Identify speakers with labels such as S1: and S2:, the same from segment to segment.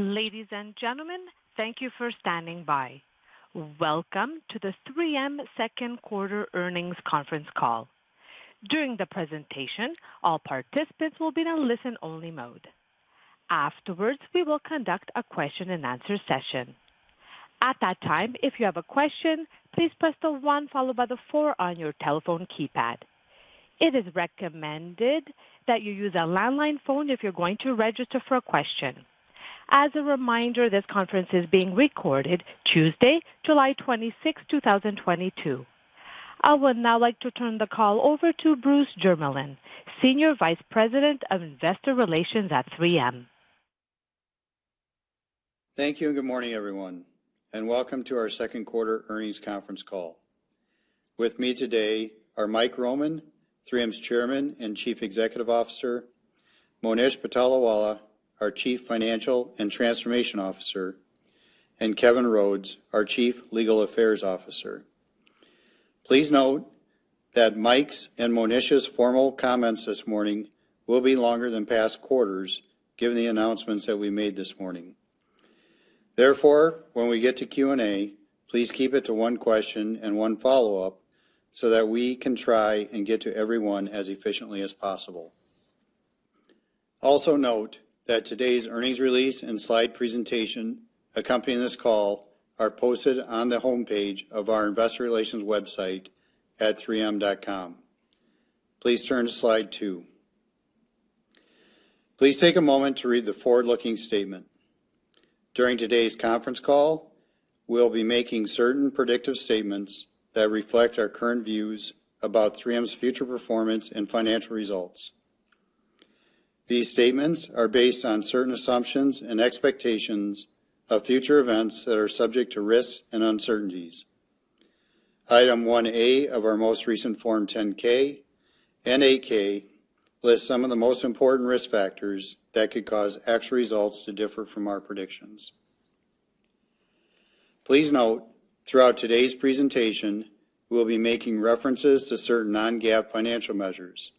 S1: Ladies and gentlemen, thank you for standing by. Welcome to the 3M second quarter earnings conference call. During the presentation, all participants will be in a listen-only mode. Afterwards, we will conduct a question and answer session. At that time, if you have a question, please press the one followed by the four on your telephone keypad. It is recommended that you use a landline phone if you're going to register for a question. As a reminder, this conference is being recorded Tuesday, July 26, 2022. I would now like to turn the call over to Bruce Jermeland, Senior Vice President of Investor Relations at 3M.
S2: Thank you, and good morning, everyone, and welcome to our second quarter earnings conference call. With me today are Mike Roman, 3M's Chairman and Chief Executive Officer, Monish Patolawala, our Chief Financial and Transformation Officer, and Kevin Rhodes, our Chief Legal Affairs Officer. Please note that Mike's and Monish's formal comments this morning will be longer than past quarters given the announcements that we made this morning. Therefore, when we get to Q&A, please keep it to one question and one follow-up so that we can try and get to everyone as efficiently as possible. Also note that today's earnings release and slide presentation accompanying this call are posted on the homepage of our investor relations website at 3M.com. Please turn to slide two. Please take a moment to read the forward-looking statement. During today's conference call, we'll be making certain predictive statements that reflect our current views about 3M's future performance and financial results. These statements are based on certain assumptions and expectations of future events that are subject to risks and uncertainties. Item 1A of our most recent Form 10-K and 8-K lists some of the most important risk factors that could cause actual results to differ from our predictions. Please note throughout today's presentation, we'll be making references to certain non-GAAP financial measures.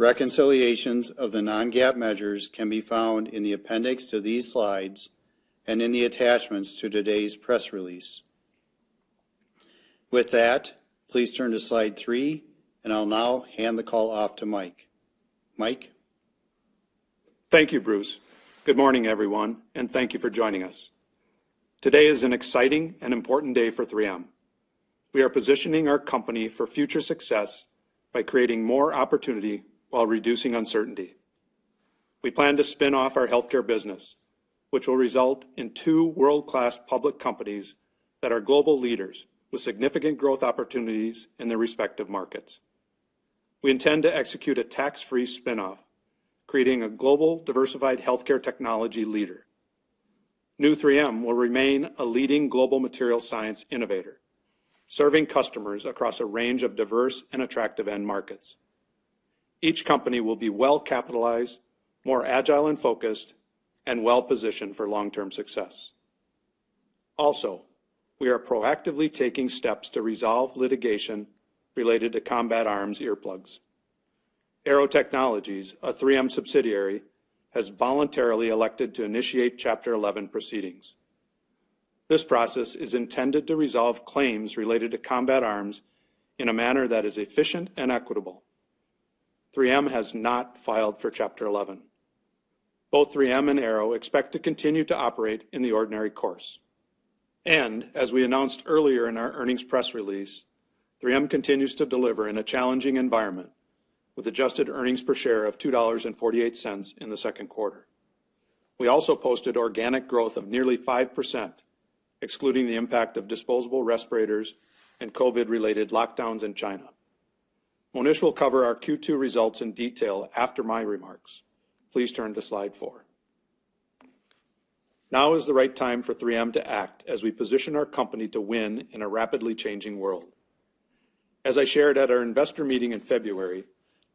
S2: Reconciliations of the non-GAAP measures can be found in the appendix to these slides and in the attachments to today's press release. With that, please turn to slide three, and I'll now hand the call off to Mike. Mike.
S3: Thank you, Bruce. Good morning, everyone, and thank you for joining us. Today is an exciting and important day for 3M. We are positioning our company for future success by creating more opportunity while reducing uncertainty. We plan to spin off our Health Care Business, which will result in two world-class public companies that are global leaders with significant growth opportunities in their respective markets. We intend to execute a tax-free spin-off, creating a global diversified healthcare technology leader. New 3M will remain a leading global material science innovator, serving customers across a range of diverse and attractive end markets. Each company will be well-capitalized, more agile and focused, and well-positioned for long-term success. Also, we are proactively taking steps to resolve litigation related to Combat Arms Earplugs. Aearo Technologies, a 3M subsidiary, has voluntarily elected to initiate Chapter 11 proceedings. This process is intended to resolve claims related to Combat Arms in a manner that is efficient and equitable. 3M has not filed for Chapter 11. Both 3M and Aearo expect to continue to operate in the ordinary course. As we announced earlier in our earnings press release, 3M continues to deliver in a challenging environment with adjusted earnings per share of $2.48 in the second quarter. We also posted organic growth of nearly 5%, excluding the impact of disposable respirators and COVID-related lockdowns in China. Monish will cover our Q2 results in detail after my remarks. Please turn to slide four. Now is the right time for 3M to act as we position our company to win in a rapidly changing world. As I shared at our investor meeting in February,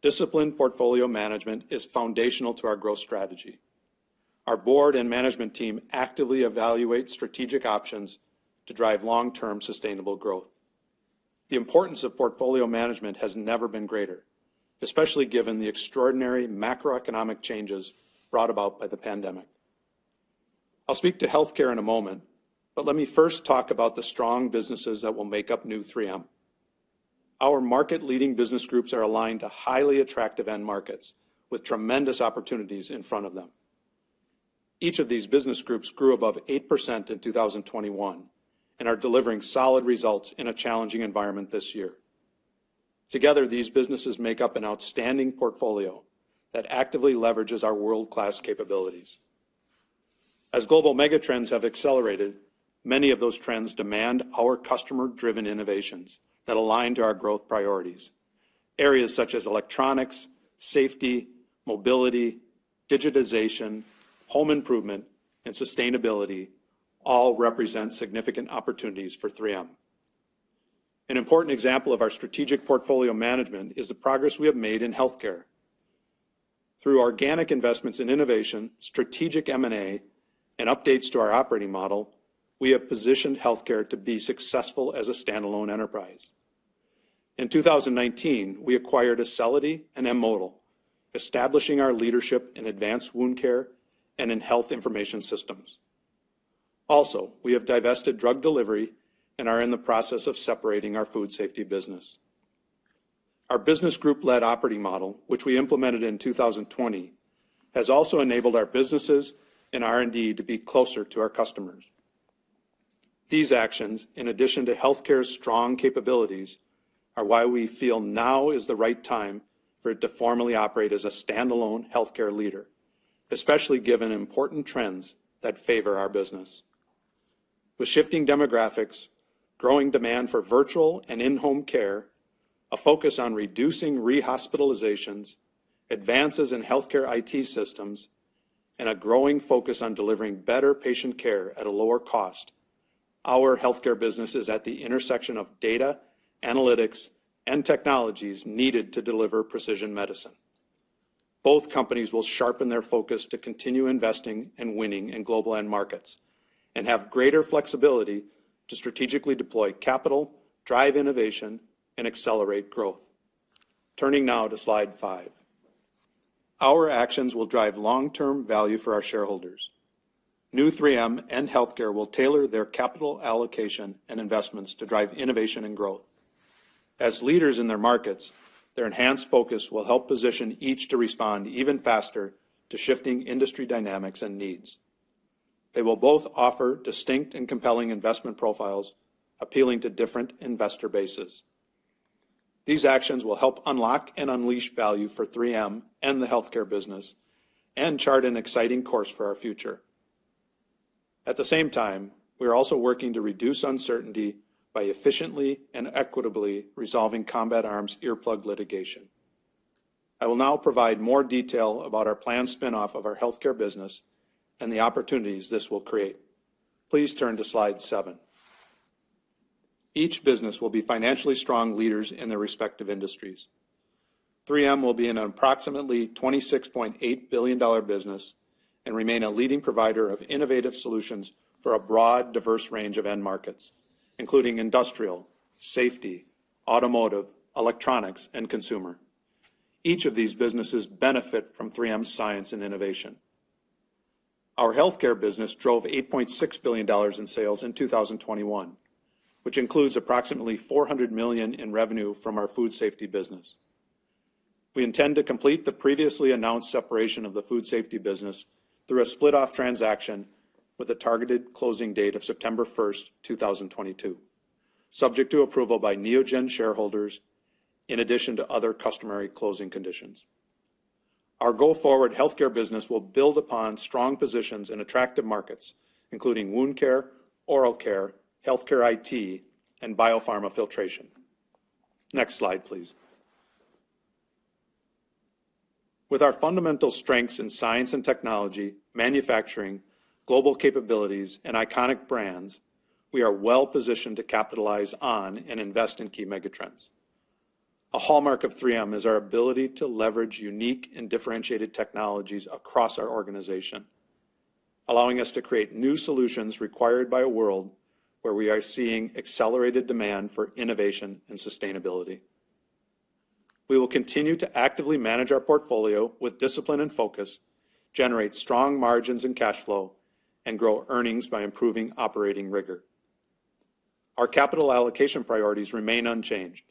S3: disciplined portfolio management is foundational to our growth strategy. Our board and management team actively evaluate strategic options to drive long-term sustainable growth. The importance of portfolio management has never been greater, especially given the extraordinary macroeconomic changes brought about by the pandemic. I'll speak to healthcare in a moment, but let me first talk about the strong businesses that will make up new 3M. Our market-leading business groups are aligned to highly attractive end markets with tremendous opportunities in front of them. Each of these business groups grew above 8% in 2021 and are delivering solid results in a challenging environment this year. Together, these businesses make up an outstanding portfolio that actively leverages our world-class capabilities. As global mega trends have accelerated, many of those trends demand our customer-driven innovations that align to our growth priorities. Areas such as electronics, safety, mobility, digitization, home improvement, and sustainability all represent significant opportunities for 3M. An important example of our strategic portfolio management is the progress we have made in healthcare. Through organic investments in innovation, strategic M&A, and updates to our operating model, we have positioned healthcare to be successful as a standalone enterprise. In 2019, we acquired Acelity and M*Modal, establishing our leadership in advanced wound care and in health information systems. Also, we have divested drug delivery and are in the process of separating our food safety business. Our business group-led operating model, which we implemented in 2020, has also enabled our businesses and R&D to be closer to our customers. These actions, in addition to Healthcare's strong capabilities, are why we feel now is the right time for it to formally operate as a standalone healthcare leader, especially given important trends that favor our business. With shifting demographics, growing demand for virtual and in-home care, a focus on reducing rehospitalizations, advances in healthcare IT systems, and a growing focus on delivering better patient care at a lower cost, our Health Care business is at the intersection of data, analytics, and technologies needed to deliver precision medicine. Both companies will sharpen their focus to continue investing and winning in global end markets and have greater flexibility to strategically deploy capital, drive innovation, and accelerate growth. Turning now to slide five. Our actions will drive long-term value for our shareholders. New 3M and Health Care will tailor their capital allocation and investments to drive innovation and growth. As leaders in their markets, their enhanced focus will help position each to respond even faster to shifting industry dynamics and needs. They will both offer distinct and compelling investment profiles appealing to different investor bases. These actions will help unlock and unleash value for 3M and the Health Care Business and chart an exciting course for our future. At the same time, we are also working to reduce uncertainty by efficiently and equitably resolving Combat Arms Earplugs litigation. I will now provide more detail about our planned spin-off of our Health Care Business and the opportunities this will create. Please turn to Slide seven. Each business will be financially strong leaders in their respective industries. 3M will be an approximately $26.8 billion business and remain a leading provider of innovative solutions for a broad, diverse range of end markets, including industrial, safety, automotive, electronics, and consumer. Each of these businesses benefit from 3M's science and innovation. Our Health Care Business drove $8.6 billion in sales in 2021, which includes approximately $400 million in revenue from our food safety business. We intend to complete the previously announced separation of the food safety business through a split-off transaction with a targeted closing date of September 1, 2022 subject to approval by Neogen shareholders in addition to other customary closing conditions. Our go-forward healthcare business will build upon strong positions in attractive markets, including wound care, oral care, healthcare IT, and biopharma filtration. Next slide, please. With our fundamental strengths in science and technology, manufacturing, global capabilities, and iconic brands, we are well-positioned to capitalize on and invest in key megatrends. A hallmark of 3M is our ability to leverage unique and differentiated technologies across our organization, allowing us to create new solutions required by a world where we are seeing accelerated demand for innovation and sustainability. We will continue to actively manage our portfolio with discipline and focus, generate strong margins and cash flow, and grow earnings by improving operating rigor. Our capital allocation priorities remain unchanged.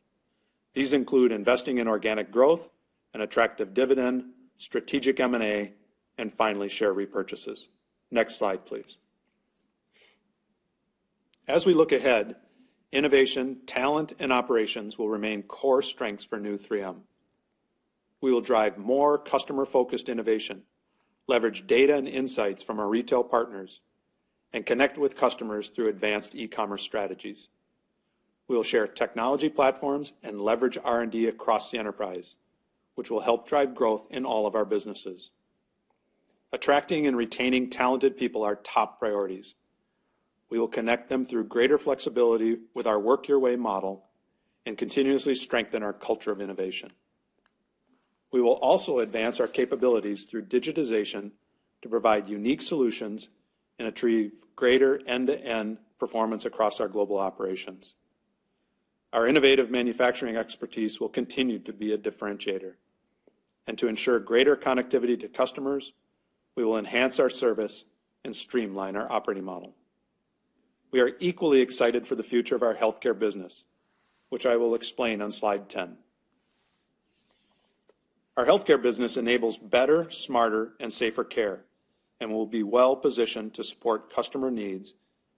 S3: These include investing in organic growth, an attractive dividend, strategic M&A, and finally, share repurchases. Next slide, please. As we look ahead, innovation, talent, and operations will remain core strengths for new 3M. We will drive more customer-focused innovation, leverage data and insights from our retail partners, and connect with customers through advanced e-commerce strategies. We will share technology platforms and leverage R&D across the enterprise, which will help drive growth in all of our businesses. Attracting and retaining talented people are top priorities. We will connect them through greater flexibility with our Work Your Way model and continuously strengthen our culture of innovation. We will also advance our capabilities through digitization to provide unique solutions and achieve greater end-to-end performance across our global operations. Our innovative manufacturing expertise will continue to be a differentiator. To ensure greater connectivity to customers, we will enhance our service and streamline our operating model. We are equally excited for the future of our Health Care Business, which I will explain on slide 10. Our Health Care Business enables better, smarter, and safer care and will be well-positioned to support customer needs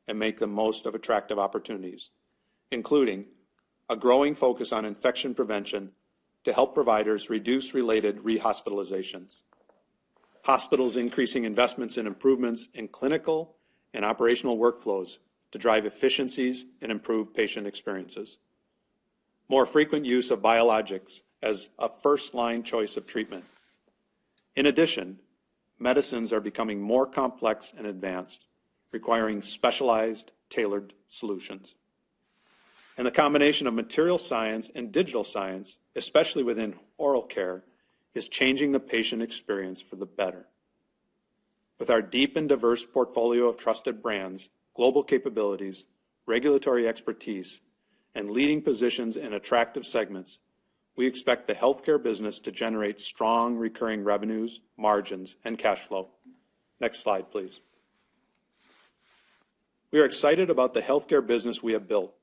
S3: and make the most of attractive opportunities, including a growing focus on infection prevention to help providers reduce related rehospitalizations. Hospitals increasing investments and improvements in clinical and operational workflows to drive efficiencies and improve patient experiences. More frequent use of biologics as a first-line choice of treatment. In addition, medicines are becoming more complex and advanced, requiring specialized, tailored solutions. The combination of material science and digital science, especially within oral care, is changing the patient experience for the better. With our deep and diverse portfolio of trusted brands, global capabilities, regulatory expertise, and leading positions in attractive segments, we expect the healthcare business to generate strong recurring revenues, margins, and cash flow. Next slide, please. We are excited about the healthcare business we have built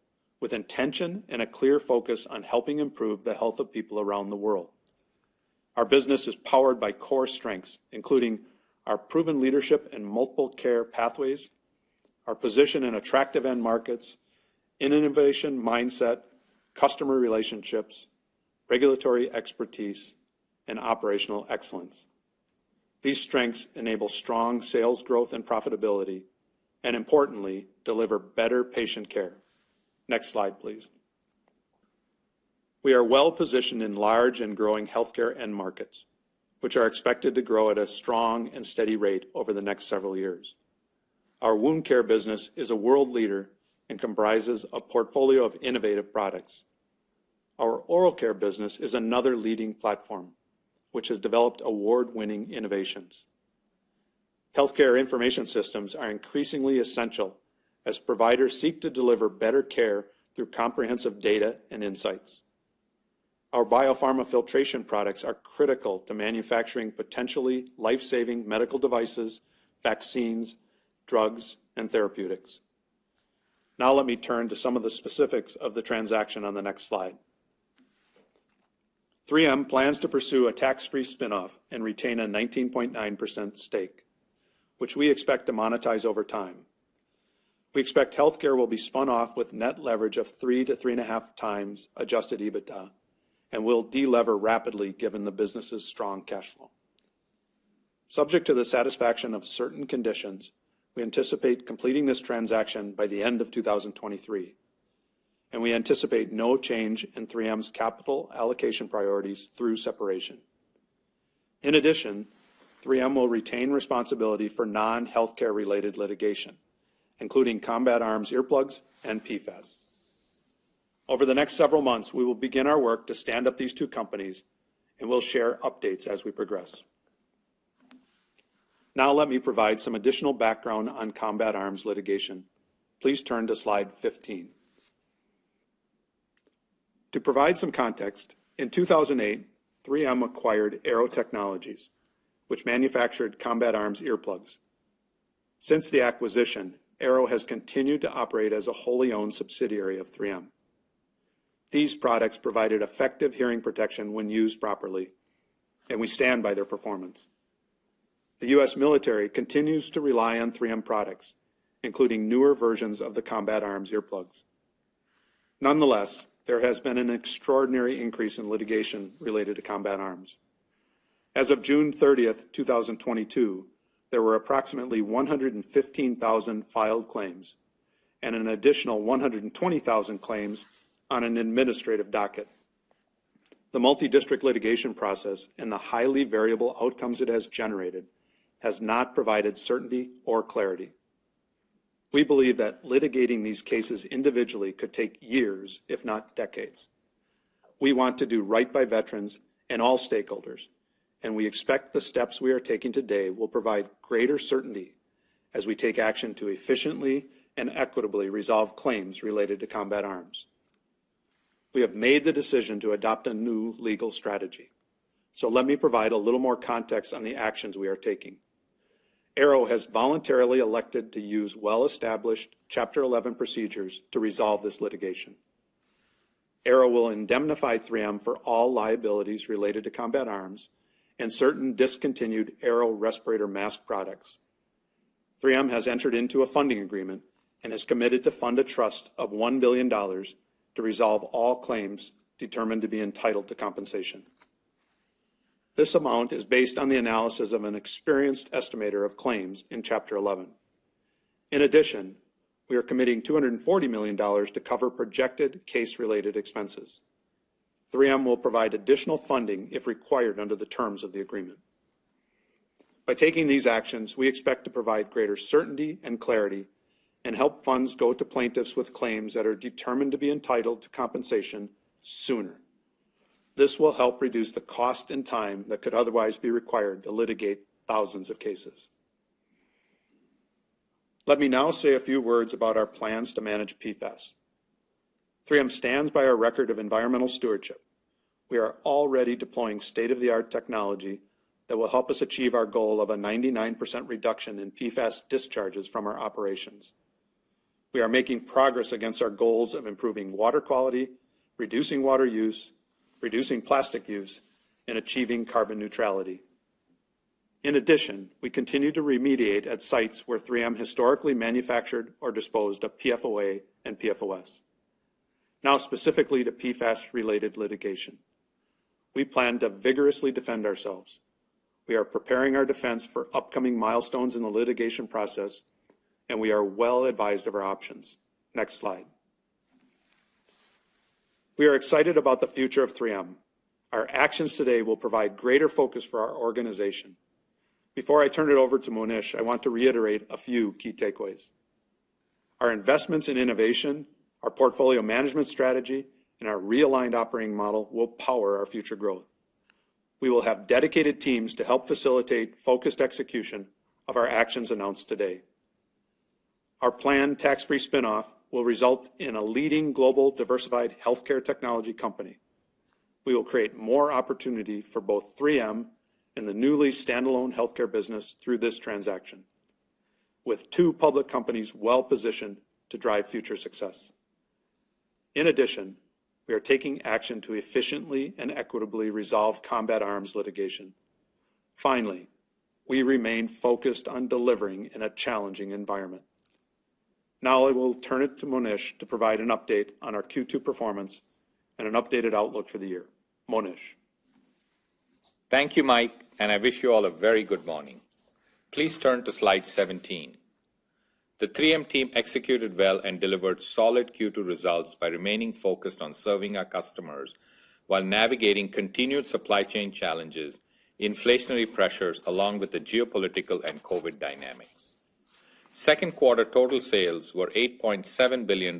S3: with intention and a clear focus on helping improve the health of people around the world. Our business is powered by core strengths, including our proven leadership in multiple care pathways, our position in attractive end markets, innovation mindset, customer relationships, regulatory expertise, and operational excellence. These strengths enable strong sales growth and profitability, and importantly, deliver better patient care. Next slide, please. We are well-positioned in large and growing healthcare end markets, which are expected to grow at a strong and steady rate over the next several years. Our wound care business is a world leader and comprises a portfolio of innovative products. Our oral care business is another leading platform which has developed award-winning innovations. Healthcare information systems are increasingly essential as providers seek to deliver better care through comprehensive data and insights. Our biopharma filtration products are critical to manufacturing potentially life-saving medical devices, vaccines, drugs, and therapeutics. Now let me turn to some of the specifics of the transaction on the next slide. 3M plans to pursue a tax-free spin-off and retain a 19.9% stake, which we expect to monetize over time. We expect healthcare will be spun off with net leverage of 3-3.5 times adjusted EBITDA and will de-lever rapidly given the business's strong cash flow. Subject to the satisfaction of certain conditions, we anticipate completing this transaction by the end of 2023, and we anticipate no change in 3M's capital allocation priorities through separation. In addition, 3M will retain responsibility for non-healthcare-related litigation, including Combat Arms Earplugs and PFAS. Over the next several months, we will begin our work to stand up these two companies, and we'll share updates as we progress. Now let me provide some additional background on Combat Arms litigation. Please turn to slide 15. To provide some context, in 2008, 3M acquired Aearo Technologies, which manufactured Combat Arms Earplugs. Since the acquisition, Aearo has continued to operate as a wholly owned subsidiary of 3M. These products provided effective hearing protection when used properly, and we stand by their performance. The U.S. military continues to rely on 3M products, including newer versions of the Combat Arms Earplugs. Nonetheless, there has been an extraordinary increase in litigation related to Combat Arms. As of June 30, 2022 there were approximately 115,000 filed claims and an additional 120,000 claims on an administrative docket. The multi-district litigation process and the highly variable outcomes it has generated has not provided certainty or clarity. We believe that litigating these cases individually could take years, if not decades. We want to do right by veterans and all stakeholders, and we expect the steps we are taking today will provide greater certainty as we take action to efficiently and equitably resolve claims related to Combat Arms. We have made the decision to adopt a new legal strategy. Let me provide a little more context on the actions we are taking. Aearo has voluntarily elected to use well-established Chapter 11 procedures to resolve this litigation. Aearo will indemnify 3M for all liabilities related to Combat Arms and certain discontinued Aearo respirator mask products. 3M has entered into a funding agreement and has committed to fund a trust of $1 billion to resolve all claims determined to be entitled to compensation. This amount is based on the analysis of an experienced estimator of claims in Chapter 11. In addition, we are committing $240 million to cover projected case-related expenses. 3M will provide additional funding if required under the terms of the agreement. By taking these actions, we expect to provide greater certainty and clarity and help funds go to plaintiffs with claims that are determined to be entitled to compensation sooner. This will help reduce the cost and time that could otherwise be required to litigate thousands of cases. Let me now say a few words about our plans to manage PFAS. 3M stands by our record of environmental stewardship. We are already deploying state-of-the-art technology that will help us achieve our goal of a 99% reduction in PFAS discharges from our operations. We are making progress against our goals of improving water quality, reducing water use, reducing plastic use, and achieving carbon neutrality. In addition, we continue to remediate at sites where 3M historically manufactured or disposed of PFOA and PFOS. Now, specifically to PFAS-related litigation. We plan to vigorously defend ourselves. We are preparing our defense for upcoming milestones in the litigation process, and we are well advised of our options. Next slide. We are excited about the future of 3M. Our actions today will provide greater focus for our organization. Before I turn it over to Monish, I want to reiterate a few key takeaways. Our investments in innovation, our portfolio management strategy, and our realigned operating model will power our future growth. We will have dedicated teams to help facilitate focused execution of our actions announced today. Our planned tax-free spinoff will result in a leading global diversified healthcare technology company. We will create more opportunity for both 3M and the newly standalone healthcare business through this transaction, with two public companies well-positioned to drive future success. In addition, we are taking action to efficiently and equitably resolve Combat Arms litigation. Finally, we remain focused on delivering in a challenging environment. Now I will turn it to Monish to provide an update on our Q2 performance and an updated outlook for the year. Monish.
S4: Thank you, Mike, and I wish you all a very good morning. Please turn to slide 17. The 3M team executed well and delivered solid Q2 results by remaining focused on serving our customers while navigating continued supply chain challenges, inflationary pressures, along with the geopolitical and COVID dynamics. Second quarter total sales were $8.7 billion,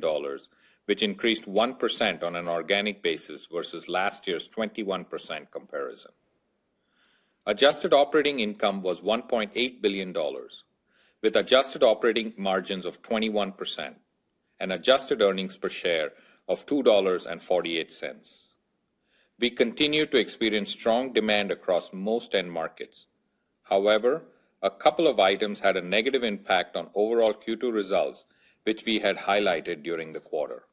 S4: which increased 1% on an organic basis versus last year's 21% comparison. Adjusted operating income was $1.8 billion, with adjusted operating margins of 21% and adjusted earnings per share of $2.48. We continue to experience strong demand across most end markets. However, a couple of items had a negative impact on overall Q2 results, which we had highlighted during the quarter.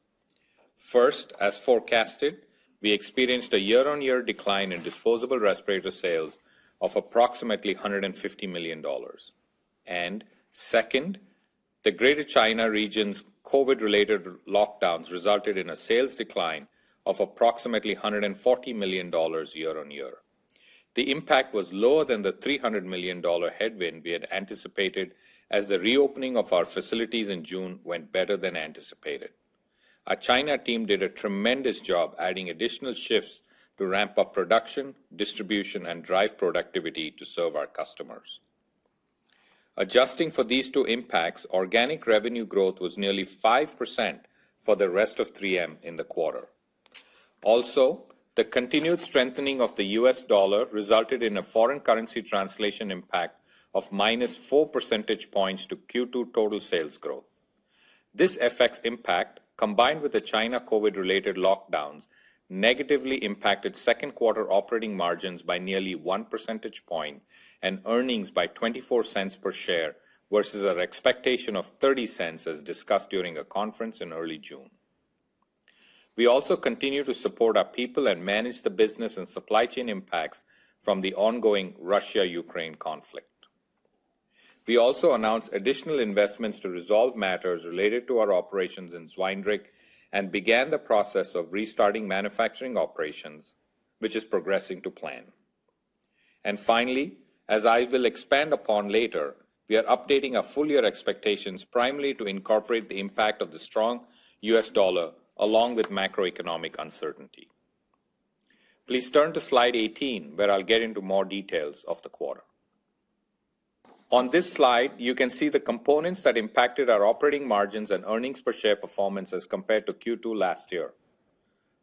S4: First, as forecasted, we experienced a year-on-year decline in disposable respirator sales of approximately $150 million. Second, the Greater China region's COVID-related lockdowns resulted in a sales decline of approximately $140 million year-on-year. The impact was lower than the $300 million headwind we had anticipated as the reopening of our facilities in June went better than anticipated. Our China team did a tremendous job adding additional shifts to ramp up production, distribution, and drive productivity to serve our customers. Adjusting for these two impacts, organic revenue growth was nearly 5% for the rest of 3M in the quarter. Also, the continued strengthening of the US dollar resulted in a foreign currency translation impact of -four percentage points to Q2 total sales growth. This FX impact, combined with the China COVID-related lockdowns, negatively impacted second quarter operating margins by nearly one percentage point and earnings by $0.24 per share versus our expectation of $0.30 as discussed during a conference in early June. We also continue to support our people and manage the business and supply chain impacts from the ongoing Russia-Ukraine conflict. We also announced additional investments to resolve matters related to our operations in Zwijndrecht and began the process of restarting manufacturing operations, which is progressing to plan. Finally, as I will expand upon later, we are updating our full-year expectations primarily to incorporate the impact of the strong US dollar along with macroeconomic uncertainty. Please turn to slide 18, where I'll get into more details of the quarter. On this slide, you can see the components that impacted our operating margins and earnings per share performance as compared to Q2 last year.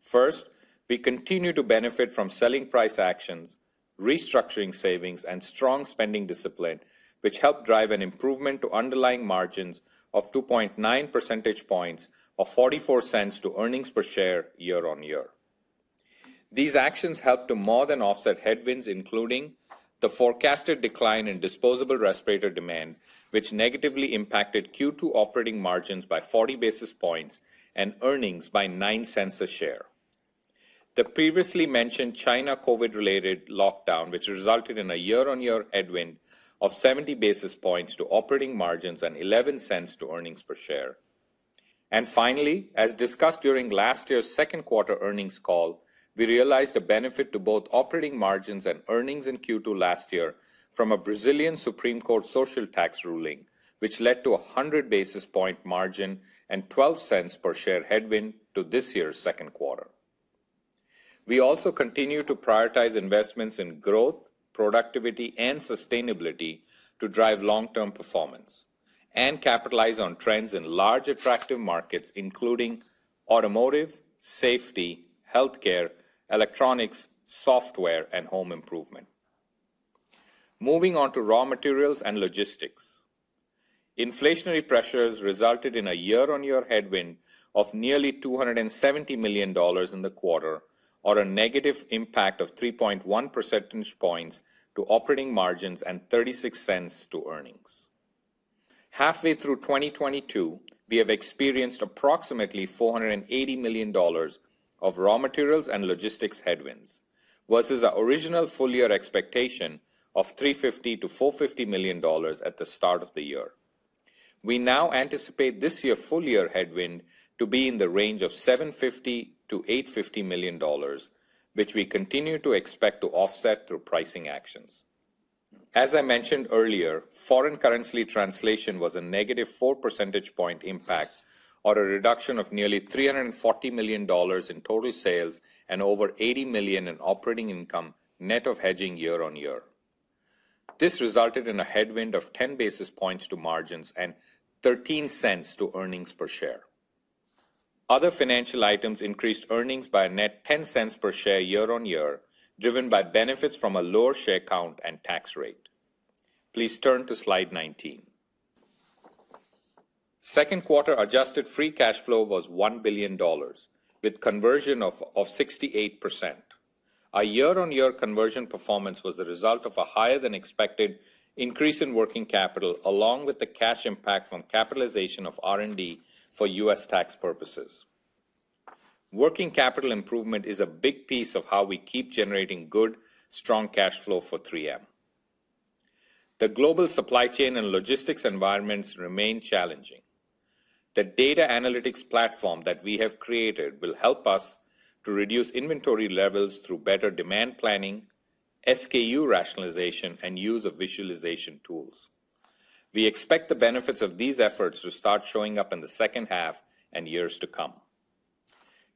S4: First, we continue to benefit from selling price actions, restructuring savings, and strong spending discipline, which helped drive an improvement to underlying margins of 2.9 percentage points of $0.40 to earnings per share year-on-year. These actions helped to more than offset headwinds, including the forecasted decline in disposable respirator demand, which negatively impacted Q2 operating margins by 40 basis points and earnings by $0.09 a share. The previously mentioned China COVID-related lockdown, which resulted in a year-on-year headwind of 70 basis points to operating margins and $0.11 to earnings per share. Finally, as discussed during last year's second quarter earnings call, we realized a benefit to both operating margins and earnings in Q2 last year from a Supreme Federal Court social tax ruling, which led to a 100 basis points margin and $0.12 per share headwind to this year's second quarter. We also continue to prioritize investments in growth, productivity, and sustainability to drive long-term performance and capitalize on trends in large attractive markets, including automotive, safety, healthcare, electronics, software, and home improvement. Moving on to raw materials and logistics. Inflationary pressures resulted in a year-on-year headwind of nearly $270 million in the quarter or a negative impact of 3.1 percentage points to operating margins and $0.36 to earnings. Halfway through 2022, we have experienced approximately $480 million of raw materials and logistics headwinds versus our original full-year expectation of $350 million-$450 million at the start of the year. We now anticipate this year full-year headwind to be in the range of $750 million-$850 million, which we continue to expect to offset through pricing actions. As I mentioned earlier, foreign currency translation was a negative four percentage point impact or a reduction of nearly $340 million in total sales and over $80 million in operating income net of hedging year-on-year. This resulted in a headwind of 10 basis points to margins and $0.13 to earnings per share. Other financial items increased earnings by a net $0.10 per share year-on-year, driven by benefits from a lower share count and tax rate. Please turn to slide 19. Second quarter adjusted free cash flow was $1 billion with conversion of 68%. Our year-on-year conversion performance was the result of a higher than expected increase in working capital, along with the cash impact from capitalization of R&D for U.S. tax purposes. Working capital improvement is a big piece of how we keep generating good, strong cash flow for 3M. The global supply chain and logistics environments remain challenging. The data analytics platform that we have created will help us to reduce inventory levels through better demand planning, SKU rationalization, and use of visualization tools. We expect the benefits of these efforts to start showing up in the second half and years to come.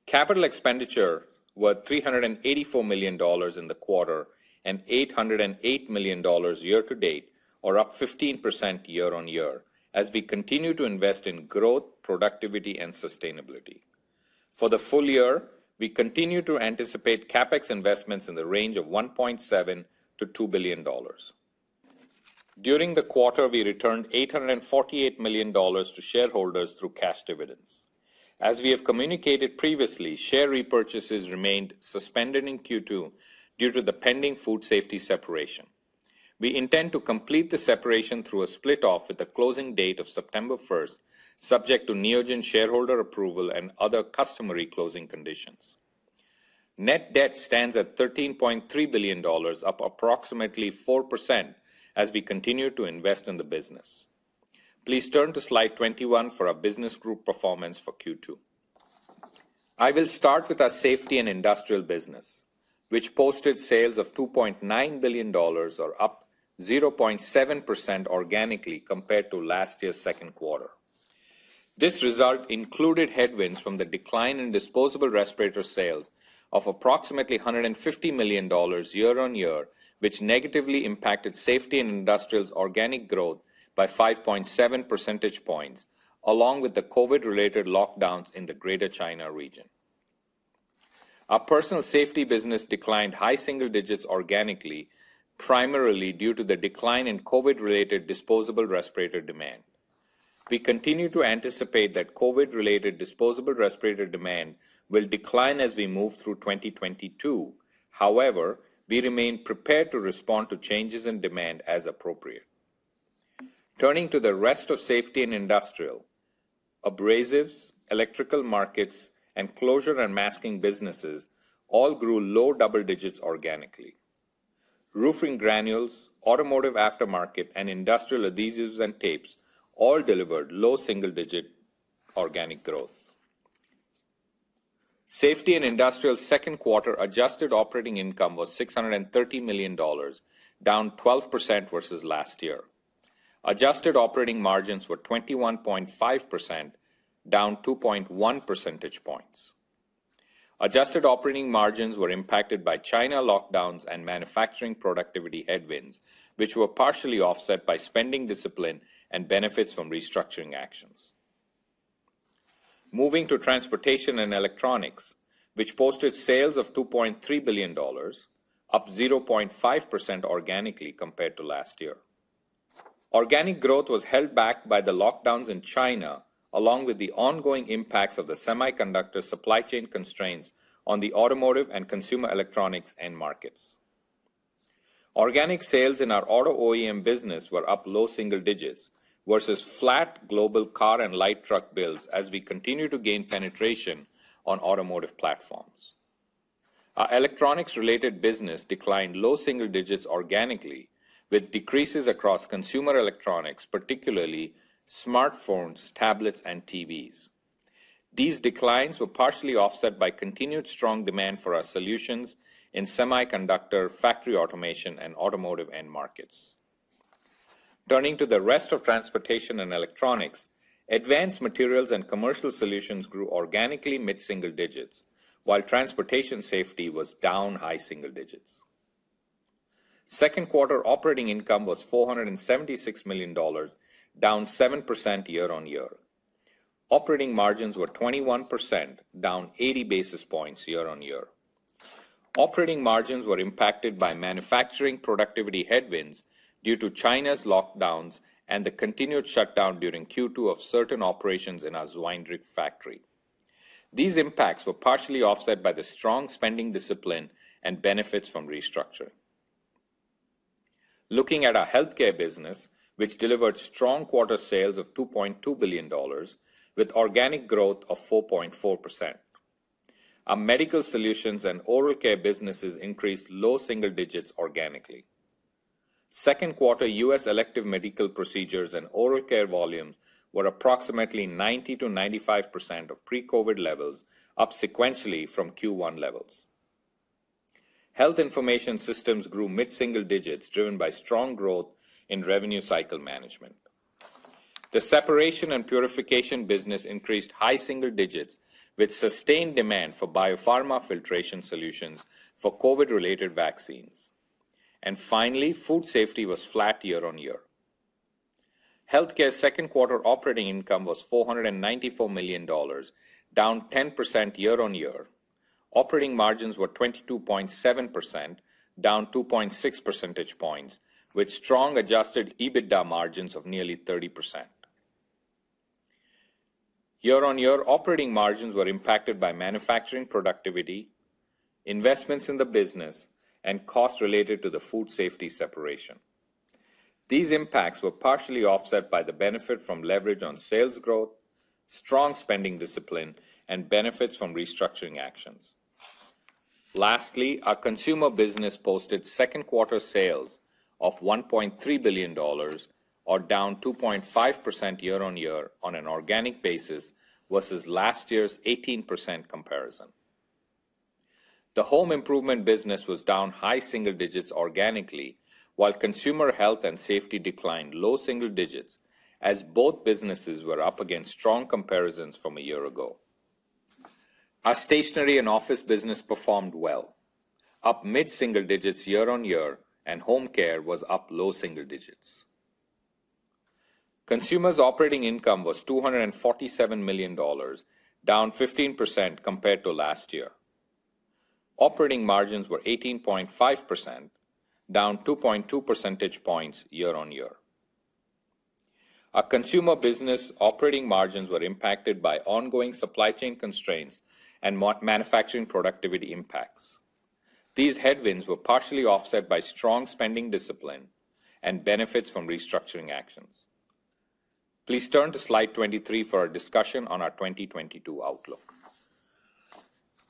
S4: Capital expenditure were $384 million in the quarter and $808 million year to date, or up 15% year-on-year, as we continue to invest in growth, productivity and sustainability. For the full year, we continue to anticipate CapEx investments in the range of $1.7 billion-$2 billion. During the quarter, we returned $848 million to shareholders through cash dividends. As we have communicated previously, share repurchases remained suspended in Q2 due to the pending food safety separation. We intend to complete the separation through a split off with a closing date of September 1, subject to Neogen shareholder approval and other customary closing conditions. Net debt stands at $13.3 billion, up approximately 4% as we continue to invest in the business. Please turn to slide 21 for our business group performance for Q2. I will start with our safety and industrial business, which posted sales of $2.9 billion or up 0.7% organically compared to last year's second quarter. This result included headwinds from the decline in disposable respirator sales of approximately $150 million year on year, which negatively impacted safety and industrial's organic growth by 5.7 percentage points, along with the COVID-related lockdowns in the Greater China region. Our personal safety business declined high single digits organically, primarily due to the decline in COVID-related disposable respirator demand. We continue to anticipate that COVID-related disposable respirator demand will decline as we move through 2022. However, we remain prepared to respond to changes in demand as appropriate. Turning to the rest of Safety and Industrial, abrasives, electrical markets, and closure and masking businesses all grew low double digits organically. Roofing granules, automotive aftermarket, and industrial adhesives and tapes all delivered low single digit organic growth. Safety and Industrial second quarter adjusted operating income was $630 million, down 12% versus last year. Adjusted operating margins were 21.5%, down 2.1 percentage points. Adjusted operating margins were impacted by China lockdowns and manufacturing productivity headwinds, which were partially offset by spending discipline and benefits from restructuring actions. Moving to transportation and electronics, which posted sales of $2.3 billion, up 0.5% organically compared to last year. Organic growth was held back by the lockdowns in China, along with the ongoing impacts of the semiconductor supply chain constraints on the automotive and consumer electronics end markets. Organic sales in our auto OEM business were up low single digits versus flat global car and light truck builds as we continue to gain penetration on automotive platforms. Our electronics-related business declined low single digits organically, with decreases across consumer electronics, particularly smartphones, tablets, and TVs. These declines were partially offset by continued strong demand for our solutions in semiconductor, factory automation, and automotive end markets. Turning to the rest of transportation and electronics, advanced materials and commercial solutions grew organically mid-single digits, while transportation safety was down high single digits. Second quarter operating income was $476 million, down 7% year-on-year. Operating margins were 21%, down 80 basis points year-on-year. Operating margins were impacted by manufacturing productivity headwinds due to China's lockdowns and the continued shutdown during Q2 of certain operations in our Zwijndrecht factory. These impacts were partially offset by the strong spending discipline and benefits from restructuring. Looking at our Health Care Business, which delivered strong quarter sales of $2.2 billion, with organic growth of 4.4%. Our medical solutions and oral care businesses increased low single digits organically. Second quarter U.S. elective medical procedures and oral care volumes were approximately 90%-95% of pre-COVID levels, up sequentially from Q1 levels. Health information systems grew mid-single digits, driven by strong growth in revenue cycle management. The separation and purification business increased high single digits with sustained demand for biopharma filtration solutions for COVID-related vaccines. Finally, food safety was flat year-on-year. Health Care second-quarter operating income was $494 million, down 10% year-on-year. Operating margins were 22.7%, down 2.6 percentage points, with strong adjusted EBITDA margins of nearly 30%. Year-on-year operating margins were impacted by manufacturing productivity, investments in the business, and costs related to the food safety separation. These impacts were partially offset by the benefit from leverage on sales growth, strong spending discipline, and benefits from restructuring actions. Lastly, our consumer business posted second quarter sales of $1.3 billion or down 2.5% year-on-year on an organic basis, versus last year's 18% comparison. The home improvement business was down high single digits organically, while consumer health and safety declined low single digits as both businesses were up against strong comparisons from a year ago. Our stationery and office business performed well, up mid-single-digits year-over-year, and home care was up low single-digits. Consumer operating income was $247 million, down 15% compared to last year. Operating margins were 18.5%, down 2.2 percentage points year-over-year. Our consumer business operating margins were impacted by ongoing supply chain constraints and manufacturing productivity impacts. These headwinds were partially offset by strong spending discipline and benefits from restructuring actions. Please turn to slide 23 for a discussion on our 2022 outlook.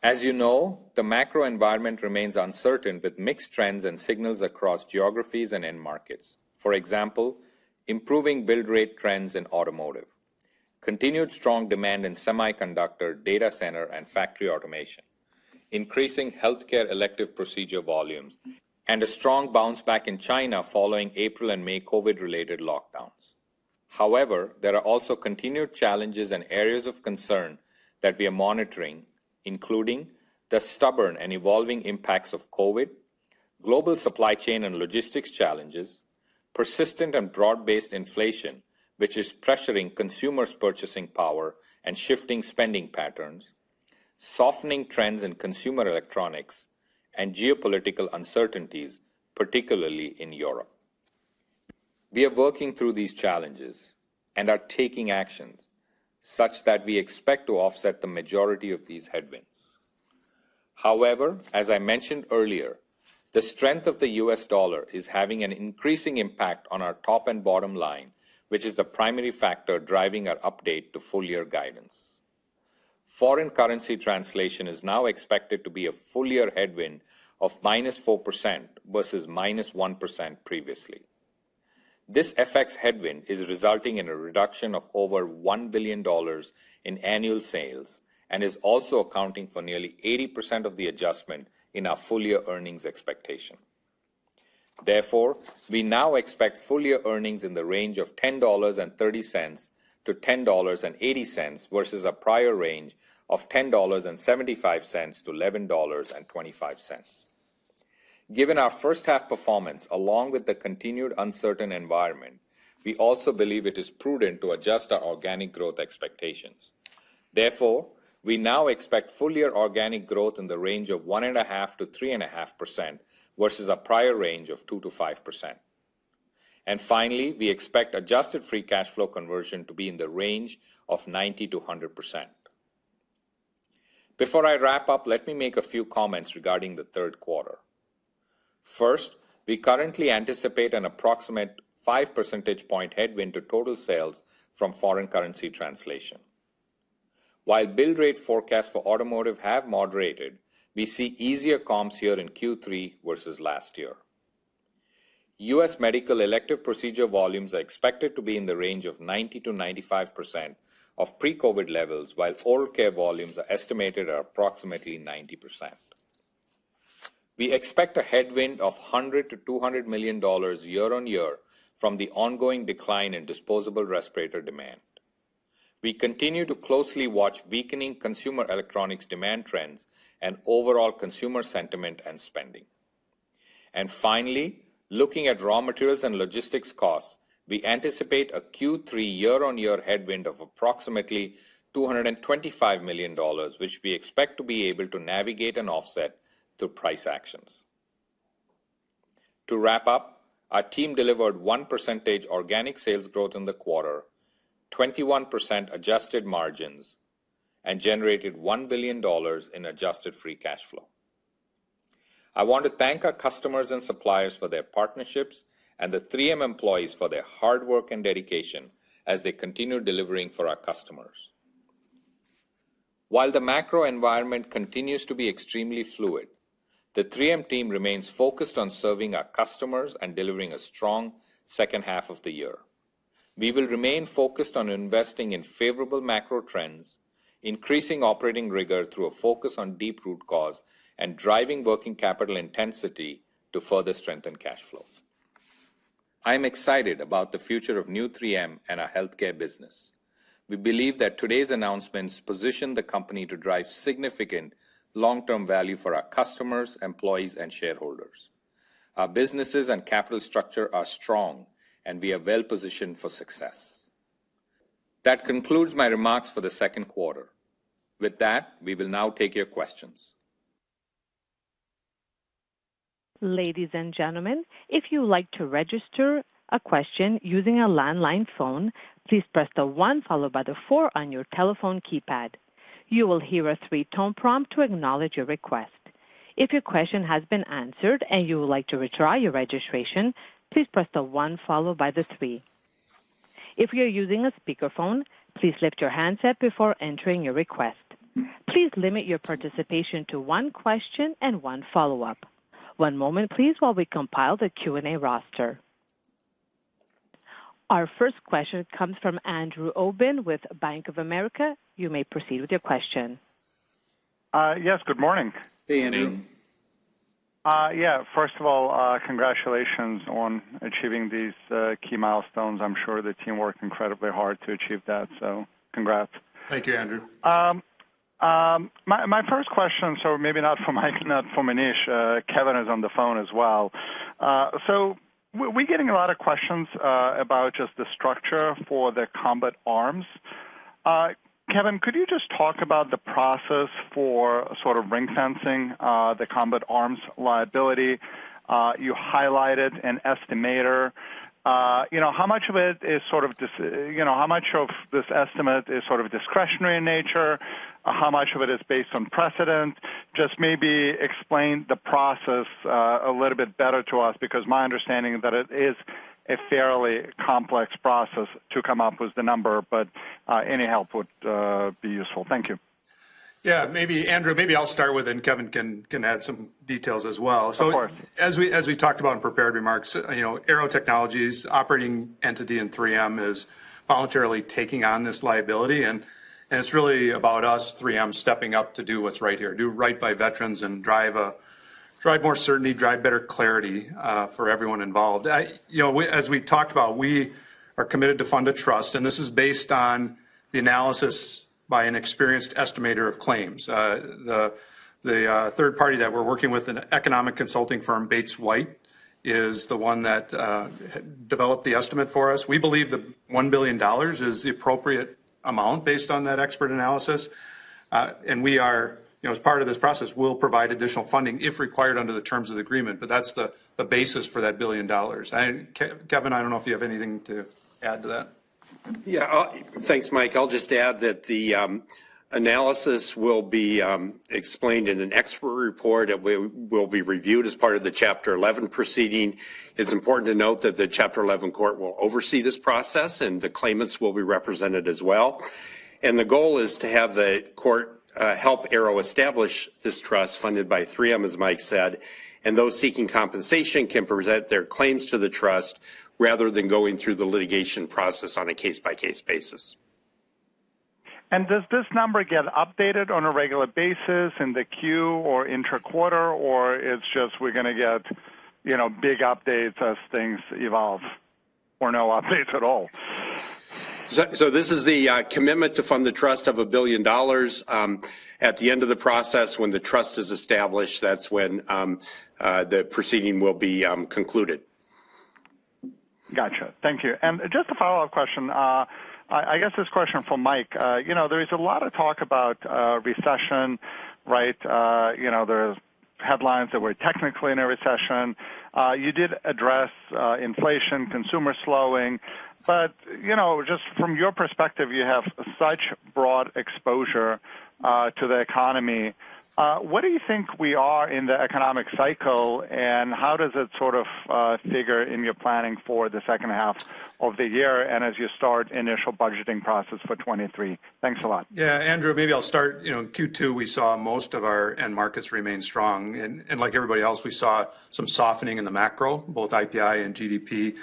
S4: As you know, the macro environment remains uncertain with mixed trends and signals across geographies and end markets. For example, improving build rate trends in automotive, continued strong demand in semiconductor, data center, and factory automation, increasing healthcare elective procedure volumes, and a strong bounce back in China following April and May COVID-related lockdowns. However, there are also continued challenges and areas of concern that we are monitoring, including the stubborn and evolving impacts of COVID, global supply chain and logistics challenges, persistent and broad-based inflation, which is pressuring consumers' purchasing power and shifting spending patterns, softening trends in consumer electronics, and geopolitical uncertainties, particularly in Europe. We are working through these challenges and are taking actions such that we expect to offset the majority of these headwinds. However, as I mentioned earlier, the strength of the U.S. dollar is having an increasing impact on our top and bottom line, which is the primary factor driving our update to full year guidance. Foreign currency translation is now expected to be a full-year headwind of -4% versus -1% previously. This FX headwind is resulting in a reduction of over $1 billion in annual sales and is also accounting for nearly 80% of the adjustment in our full year earnings expectation. Therefore, we now expect full year earnings in the range of $10.30-$10.80 versus a prior range of $10.75-$11.25. Given our first half performance along with the continued uncertain environment, we also believe it is prudent to adjust our organic growth expectations. Therefore, we now expect full year organic growth in the range of 1.5%-3.5% versus a prior range of 2%-5%. Finally, we expect adjusted free cash flow conversion to be in the range of 90%-100%. Before I wrap up, let me make a few comments regarding the third quarter. First, we currently anticipate an approximate 5 percentage point headwind to total sales from foreign currency translation. While build rate forecasts for automotive have moderated, we see easier comps here in Q3 versus last year. U.S. medical elective procedure volumes are expected to be in the range of 90%-95% of pre-COVID levels, while oral care volumes are estimated at approximately 90%. We expect a headwind of $100 million-$200 million year-on-year from the ongoing decline in disposable respirator demand. We continue to closely watch weakening consumer electronics demand trends and overall consumer sentiment and spending. Finally, looking at raw materials and logistics costs, we anticipate a Q3 year-on-year headwind of approximately $225 million, which we expect to be able to navigate and offset through price actions. To wrap up, our team delivered 1% organic sales growth in the quarter, 21% adjusted margins, and generated $1 billion in adjusted free cash flow. I want to thank our customers and suppliers for their partnerships and the 3M employees for their hard work and dedication as they continue delivering for our customers. While the macro environment continues to be extremely fluid, the 3M team remains focused on serving our customers and delivering a strong second half of the year. We will remain focused on investing in favorable macro trends, increasing operating rigor through a focus on deep root cause, and driving working capital intensity to further strengthen cash flow. I'm excited about the future of new 3M and our healthcare business. We believe that today's announcements position the company to drive significant long-term value for our customers, employees, and shareholders. Our businesses and capital structure are strong, and we are well-positioned for success. That concludes my remarks for the second quarter. With that, we will now take your questions.
S1: Ladies and gentlemen, if you'd like to register a question using a landline phone, please press the one followed by the four on your telephone keypad. You will hear a three-tone prompt to acknowledge your request. If your question has been answered and you would like to retry your registration, please press the one followed by the three. If you're using a speakerphone, please lift your handset before entering your request. Please limit your participation to one question and one follow-up. One moment, please, while we compile the Q&A roster. Our first question comes from Andrew Obin with Bank of America. You may proceed with your question.
S5: Yes, good morning.
S3: Hey, Andrew.
S5: Yeah, first of all, congratulations on achieving these key milestones. I'm sure the team worked incredibly hard to achieve that, so congrats.
S3: Thank you, Andrew.
S6: My first question, maybe not for Mike, not for Monish. Kevin is on the phone as well. We're getting a lot of questions about just the structure for the combat arms. Kevin, could you just talk about the process for sort of ring-fencing the combat arms liability? You highlighted an estimator. You know, how much of this estimate is sort of discretionary in nature? How much of it is based on precedent? Just maybe explain the process a little bit better to us, because my understanding is that it is a fairly complex process to come up with the number, but any help would be useful. Thank you.
S3: Yeah. Maybe, Andrew, maybe I'll start with, and Kevin can add some details as well. Of course. As we talked about in prepared remarks, you know, Aearo Technologies operating entity in 3M is voluntarily taking on this liability, and it's really about us, 3M, stepping up to do what's right here, do right by veterans and drive more certainty, drive better clarity, for everyone involved. You know, we, as we talked about, we are committed to fund a trust, and this is based on the analysis by an experienced estimator of claims. The third party that we're working with, an economic consulting firm, Bates White, is the one that developed the estimate for us. We believe the $1 billion is the appropriate amount based on that expert analysis. We are, you know, as part of this process, we'll provide additional funding if required under the terms of the agreement, but that's the basis for that $1 billion. Kevin, I don't know if you have anything to add to that.
S7: Yeah. Thanks, Mike. I'll just add that the analysis will be explained in an expert report that will be reviewed as part of the Chapter 11 proceeding. It's important to note that the Chapter 11 court will oversee this process, and the claimants will be represented as well. The goal is to have the court help Aearo establish this trust funded by 3M, as Mike said, and those seeking compensation can present their claims to the trust rather than going through the litigation process on a case-by-case basis.
S6: Does this number get updated on a regular basis in the Q or intra-quarter, or it's just we're gonna get, you know, big updates as things evolve or no updates at all?
S7: This is the commitment to fund the trust of $1 billion. At the end of the process, when the trust is established, that's when the proceeding will be concluded. Gotcha. Thank you. Just a follow-up question. I guess this question is for Mike. You know, there is a lot of talk about recession, right? You know, there's headlines that we're technically in a recession. You did address inflation, consumer slowing, but you know, just from your perspective, you have such broad exposure to the economy. Where do you think we are in the economic cycle, and how does it sort of figure in your planning for the second half of the year and as you start initial budgeting process for 2023? Thanks a lot.
S3: Yeah, Andrew, maybe I'll start. You know, in Q2, we saw most of our end markets remain strong. Like everybody else, we saw some softening in the macro, both IPI and GDP.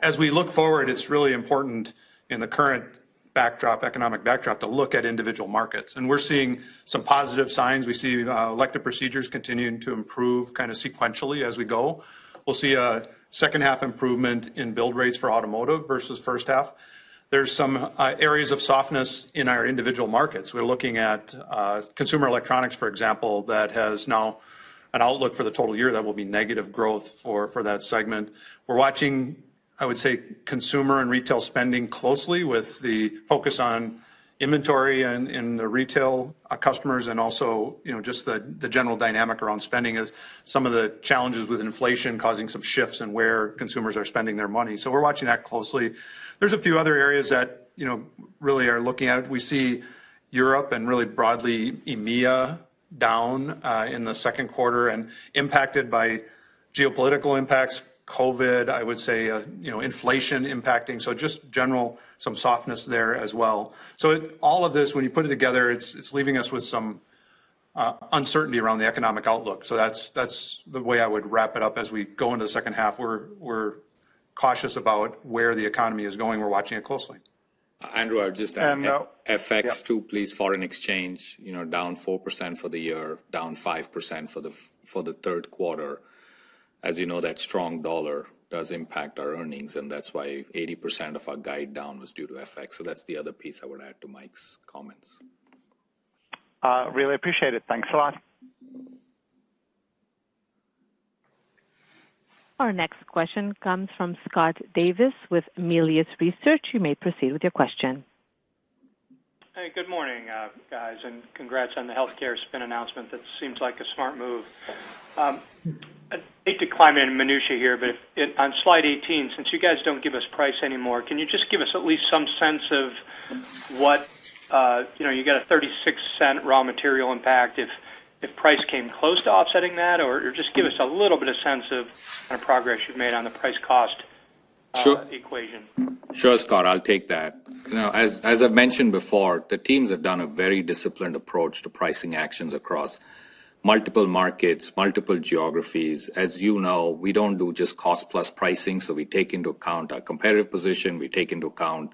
S3: As we look forward, it's really important in the current backdrop, economic backdrop to look at individual markets. We're seeing some positive signs. We see elective procedures continuing to improve kinda sequentially as we go. We'll see a second half improvement in build rates for automotive versus first half. There's some areas of softness in our individual markets. We're looking at consumer electronics, for example, that has now an outlook for the total year that will be negative growth for that segment. We're watching, I would say, consumer and retail spending closely with the focus on inventory and the retail customers and also, you know, just the general dynamic around spending as some of the challenges with inflation causing some shifts in where consumers are spending their money. We're watching that closely. There's a few other areas that, you know, really are looking at. We see Europe and really broadly EMEA down in the second quarter and impacted by geopolitical impacts, COVID, I would say, you know, inflation impacting. Just generally some softness there as well. All of this, when you put it together, it's leaving us with some uncertainty around the economic outlook. That's the way I would wrap it up as we go into the second half. We're cautious about where the economy is going. We're watching it closely. Andrew, I'll just add. And, yeah- FX too, please. Foreign exchange, you know, down 4% for the year, down 5% for the third quarter. As you know, that strong dollar does impact our earnings, and that's why 80% of our guide down was due to FX. That's the other piece I would add to Mike's comments.
S5: Really appreciate it. Thanks a lot.
S1: Our next question comes from Scott Davis with Melius Research. You may proceed with your question.
S8: Hey, good morning, guys, and congrats on the healthcare spin announcement. That seems like a smart move. I'd hate to climb into minutiae here, but on slide 18, since you guys don't give us price anymore, can you just give us at least some sense of what you know, you got a $0.36 raw material impact if price came close to offsetting that? Or just give us a little bit of sense of the progress you've made on the price cost equation.
S4: Sure, Scott, I'll take that. You know, as I've mentioned before, the teams have done a very disciplined approach to pricing actions across multiple markets, multiple geographies. As you know, we don't do just cost-plus pricing, so we take into account our competitive position, we take into account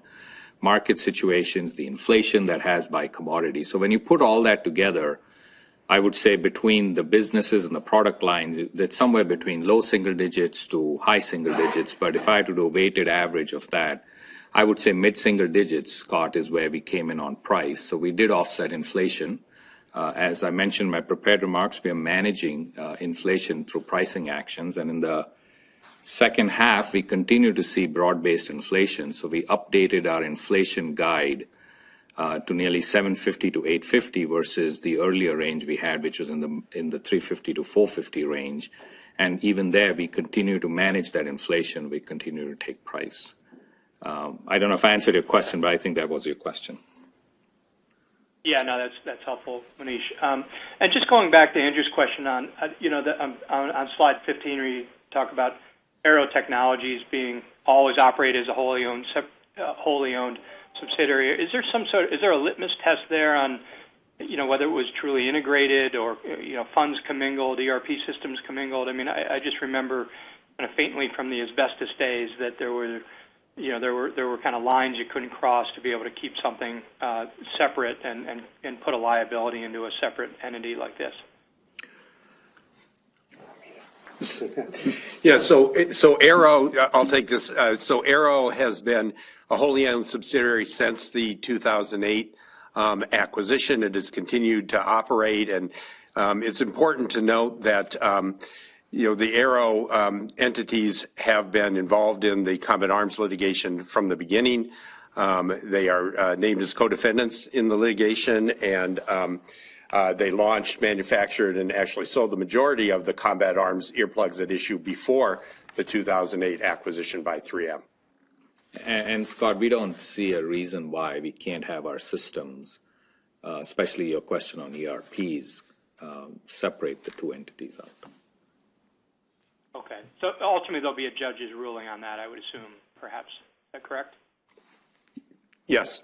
S4: market situations, the inflation that has, by commodity. When you put all that together, I would say between the businesses and the product lines, it's somewhere between low single digits to high single digits. If I had to do a weighted average of that, I would say mid-single digits, Scott, is where we came in on price. We did offset inflation. As I mentioned in my prepared remarks, we are managing inflation through pricing actions. In the second half, we continue to see broad-based inflation. We updated our inflation guide to nearly 7.50%-8.50% versus the earlier range we had, which was in the 3.50%-4.50% range. Even there, we continue to manage that inflation. We continue to take price. I don't know if I answered your question, but I think that was your question.
S8: Yeah, no, that's helpful, Monish. Just going back to Andrew's question on you know on slide 15 where you talk about Aearo Technologies being always operated as a wholly owned subsidiary. Is there some sort of litmus test there on you know whether it was truly integrated or you know funds commingled, ERP systems commingled? I mean, I just remember kind of faintly from the asbestos days that there you know were kind of lines you couldn't cross to be able to keep something separate and put a liability into a separate entity like this.
S3: Yeah. Aearo... I'll take this. Aearo has been a wholly owned subsidiary since the 2008 acquisition. It has continued to operate. It's important to note that, you know, the Aearo entities have been involved in the Combat Arms litigation from the beginning. They are named as co-defendants in the litigation, and they launched, manufactured, and actually sold the majority of the Combat Arms Earplugs at issue before the 2008 acquisition by 3M. Scott, we don't see a reason why we can't have our systems, especially your question on ERPs, separate the two entities out.
S8: Okay. Ultimately, there'll be a judge's ruling on that, I would assume, perhaps. Is that correct?
S3: Yes.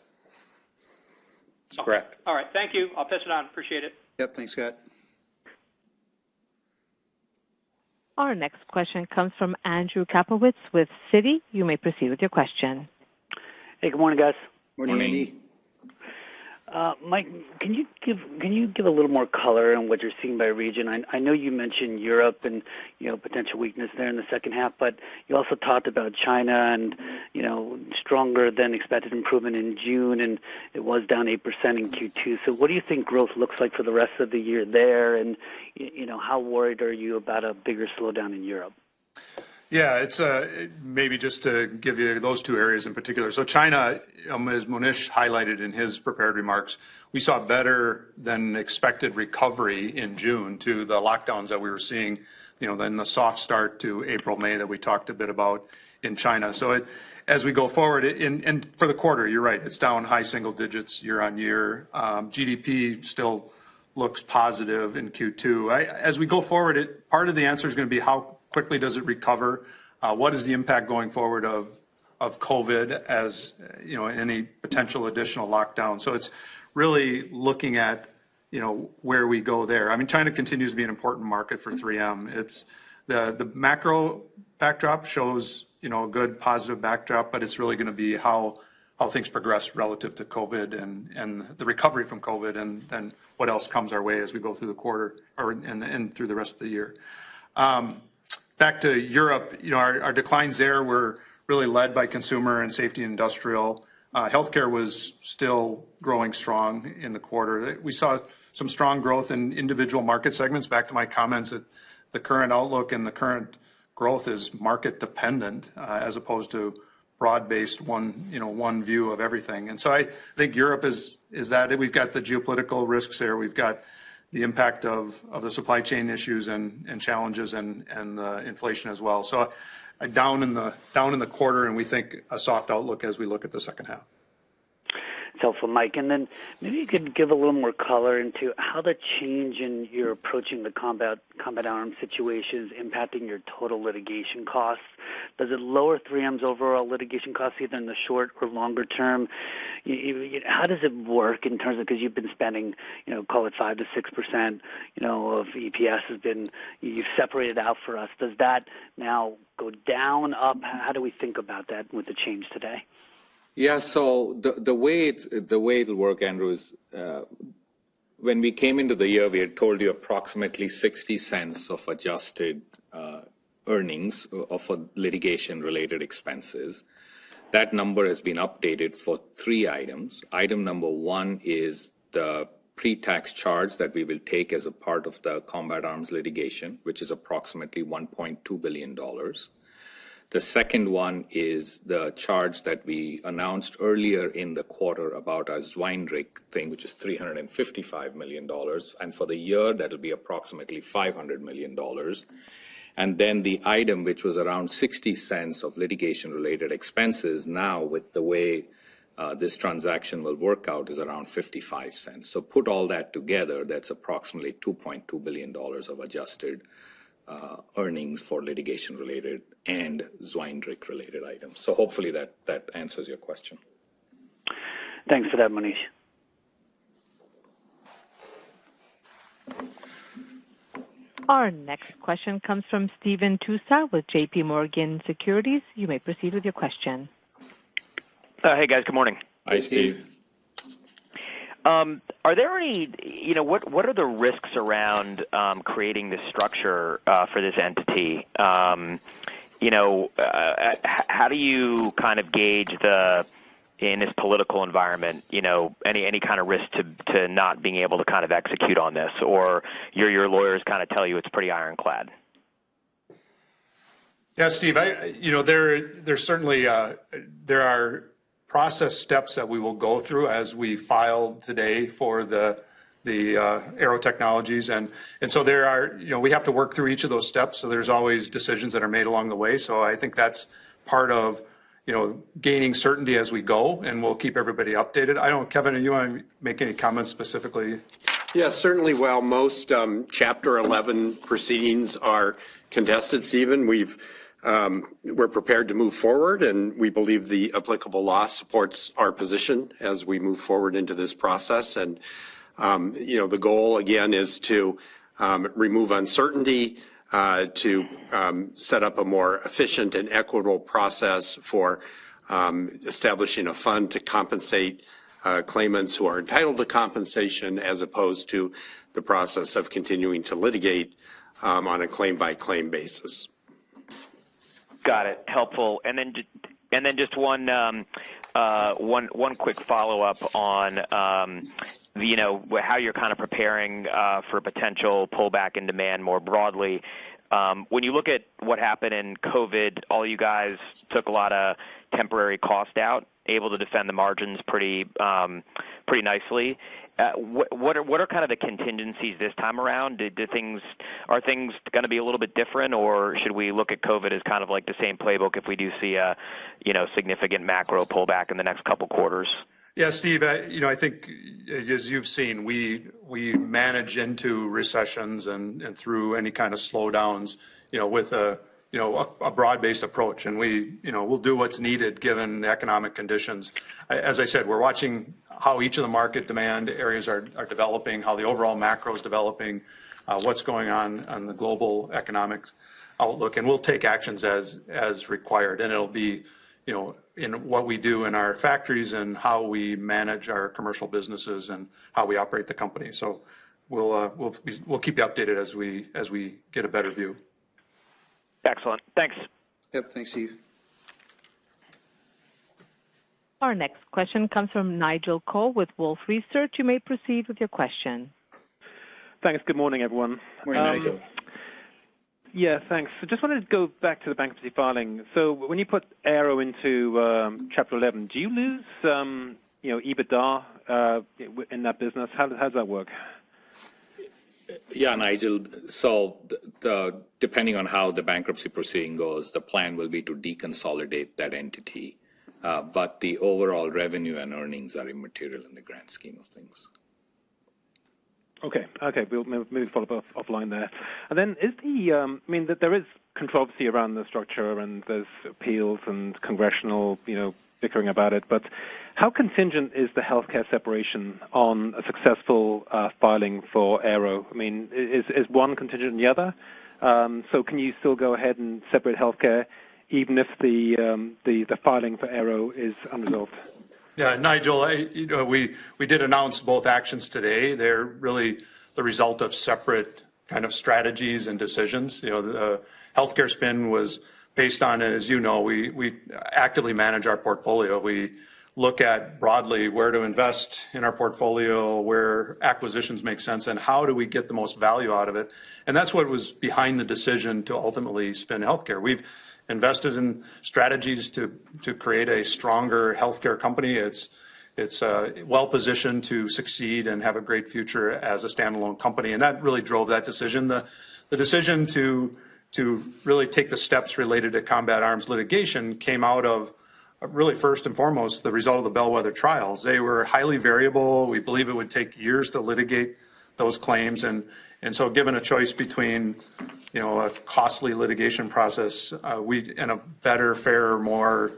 S3: That's correct.
S8: All right. Thank you. I'll pass it on. Appreciate it.
S3: Yep. Thanks, Scott.
S1: Our next question comes from Andrew Kaplowitz with Citi. You may proceed with your question.
S9: Hey, good morning, guys.
S3: Morning, Andy.
S9: Mike, can you give a little more color on what you're seeing by region? I know you mentioned Europe and, you know, potential weakness there in the second half, but you also talked about China and, you know, stronger than expected improvement in June, and it was down 8% in Q2. What do you think growth looks like for the rest of the year there? You know, how worried are you about a bigger slowdown in Europe?
S3: Yeah, it's. Maybe just to give you those two areas in particular. China, as Monish highlighted in his prepared remarks, we saw better than expected recovery in June to the lockdowns that we were seeing, you know, then the soft start to April, May that we talked a bit about in China. As we go forward, and for the quarter, you're right, it's down high single digits year-on-year. GDP still looks positive in Q2. As we go forward, part of the answer is gonna be how quickly does it recover? What is the impact going forward of COVID, as you know, any potential additional lockdown? It's really looking at, you know, where we go there. I mean, China continues to be an important market for 3M. It's the macro backdrop shows, you know, a good positive backdrop, but it's really gonna be how things progress relative to COVID and the recovery from COVID and what else comes our way as we go through the quarter or through the rest of the year. Back to Europe, you know, our declines there were really led by consumer and safety industrial. Healthcare was still growing strong in the quarter. We saw some strong growth in individual market segments. Back to my comments that the current outlook and the current growth is market dependent, as opposed to broad-based one, you know, one view of everything. I think Europe is that. We've got the geopolitical risks there. We've got the impact of the supply chain issues and challenges and inflation as well. Down in the quarter, and we think a soft outlook as we look at the second half.
S9: It's helpful, Mike. Maybe you could give a little more color into how the change in your approach to the Combat Arms situation is impacting your total litigation costs. Does it lower 3M's overall litigation costs, either in the short or longer term? How does it work in terms of 'cause you've been spending, you know, call it 5%-6%, you know, of EPS has been you've separated out for us. Does that now go down, up? How do we think about that with the change today?
S4: The way it'll work, Andrew, is when we came into the year, we had told you approximately $0.60 of adjusted earnings of litigation-related expenses. That number has been updated for three items. Item number one is the pretax charge that we will take as a part of the Combat Arms litigation, which is approximately $1.2 billion. The second one is the charge that we announced earlier in the quarter about our Zwijndrecht thing, which is $355 million. For the year, that'll be approximately $500 million. The item, which was around $0.60 of litigation-related expenses, now with the way this transaction will work out, is around $0.55. Put all that together, that's approximately $2.2 billion of adjusted earnings for litigation-related and Zwijndrecht-related items. Hopefully that answers your question.
S9: Thanks for that, Monish.
S1: Our next question comes from Stephen Tusa with JPMorgan Securities. You may proceed with your question.
S10: Hey, guys. Good morning.
S4: Hi, Steve.
S10: Are there any, you know, what are the risks around creating this structure for this entity? You know, how do you kind of gauge in this political environment, you know, any kind of risk to not being able to kind of execute on this? Or your lawyers kinda tell you it's pretty ironclad.
S4: Yeah, Steve. You know, there are certainly process steps that we will go through as we file today for the Aearo Technologies. You know, we have to work through each of those steps, so there's always decisions that are made along the way. I think that's part of gaining certainty as we go, and we'll keep everybody updated. Kevin, do you wanna make any comments specifically?
S3: Yes, certainly. While most Chapter 11 proceedings are contested, Stephen, we're prepared to move forward, and we believe the applicable law supports our position as we move forward into this process. You know, the goal, again, is to remove uncertainty, to set up a more efficient and equitable process for establishing a fund to compensate claimants who are entitled to compensation as opposed to the process of continuing to litigate on a claim-by-claim basis.
S10: Got it. Helpful. Just one quick follow-up on, you know, how you're kinda preparing for potential pullback in demand more broadly. When you look at what happened in COVID, all you guys took a lot of temporary cost out, able to defend the margins pretty nicely. What are kind of the contingencies this time around? Are things gonna be a little bit different, or should we look at COVID as kind of like the same playbook if we do see a, you know, significant macro pullback in the next couple quarters?
S4: Yeah, Steve, you know, I think as you've seen, we manage into recessions and through any kind of slowdowns, you know, with a broad-based approach. We, you know, will do what's needed given the economic conditions. As I said, we're watching how each of the market demand areas are developing, how the overall macro is developing, what's going on on the global economic outlook, and we'll take actions as required. It'll be, you know, in what we do in our factories and how we manage our commercial businesses and how we operate the company. We'll keep you updated as we get a better view.
S10: Excellent. Thanks.
S3: Yep. Thanks, Steve.
S1: Our next question comes from Nigel Coe with Wolfe Research. You may proceed with your question.
S11: Thanks. Good morning, everyone.
S3: Morning, Nigel.
S11: Yeah, thanks. I just wanted to go back to the bankruptcy filing. When you put Aearo into Chapter 11, do you lose some EBITDA in that business? How does that work?
S4: Yeah, Nigel. Depending on how the bankruptcy proceeding goes, the plan will be to deconsolidate that entity. The overall revenue and earnings are immaterial in the grand scheme of things.
S11: Okay. We'll maybe follow up offline there. Then, I mean, there is controversy around the structure, and there's appeals and congressional, you know, bickering about it. How contingent is the healthcare separation on a successful filing for Aearo? I mean, is one contingent on the other? Can you still go ahead and separate healthcare even if the filing for Aearo is unresolved?
S3: Yeah. Nigel, you know, we did announce both actions today. They're really the result of separate kind of strategies and decisions. You know, the Health Care spin was based on, as you know, we actively manage our portfolio. We look at broadly where to invest in our portfolio, where acquisitions make sense, and how do we get the most value out of it, and that's what was behind the decision to ultimately spin Health Care. We've invested in strategies to create a stronger Health Care company. It's well-positioned to succeed and have a great future as a standalone company, and that really drove that decision. The decision to really take the steps related to Combat Arms litigation came out of, really first and foremost, the result of the bellwether trials. They were highly variable. We believe it would take years to litigate those claims. given a choice between, you know, a costly litigation process, and a better, fairer, more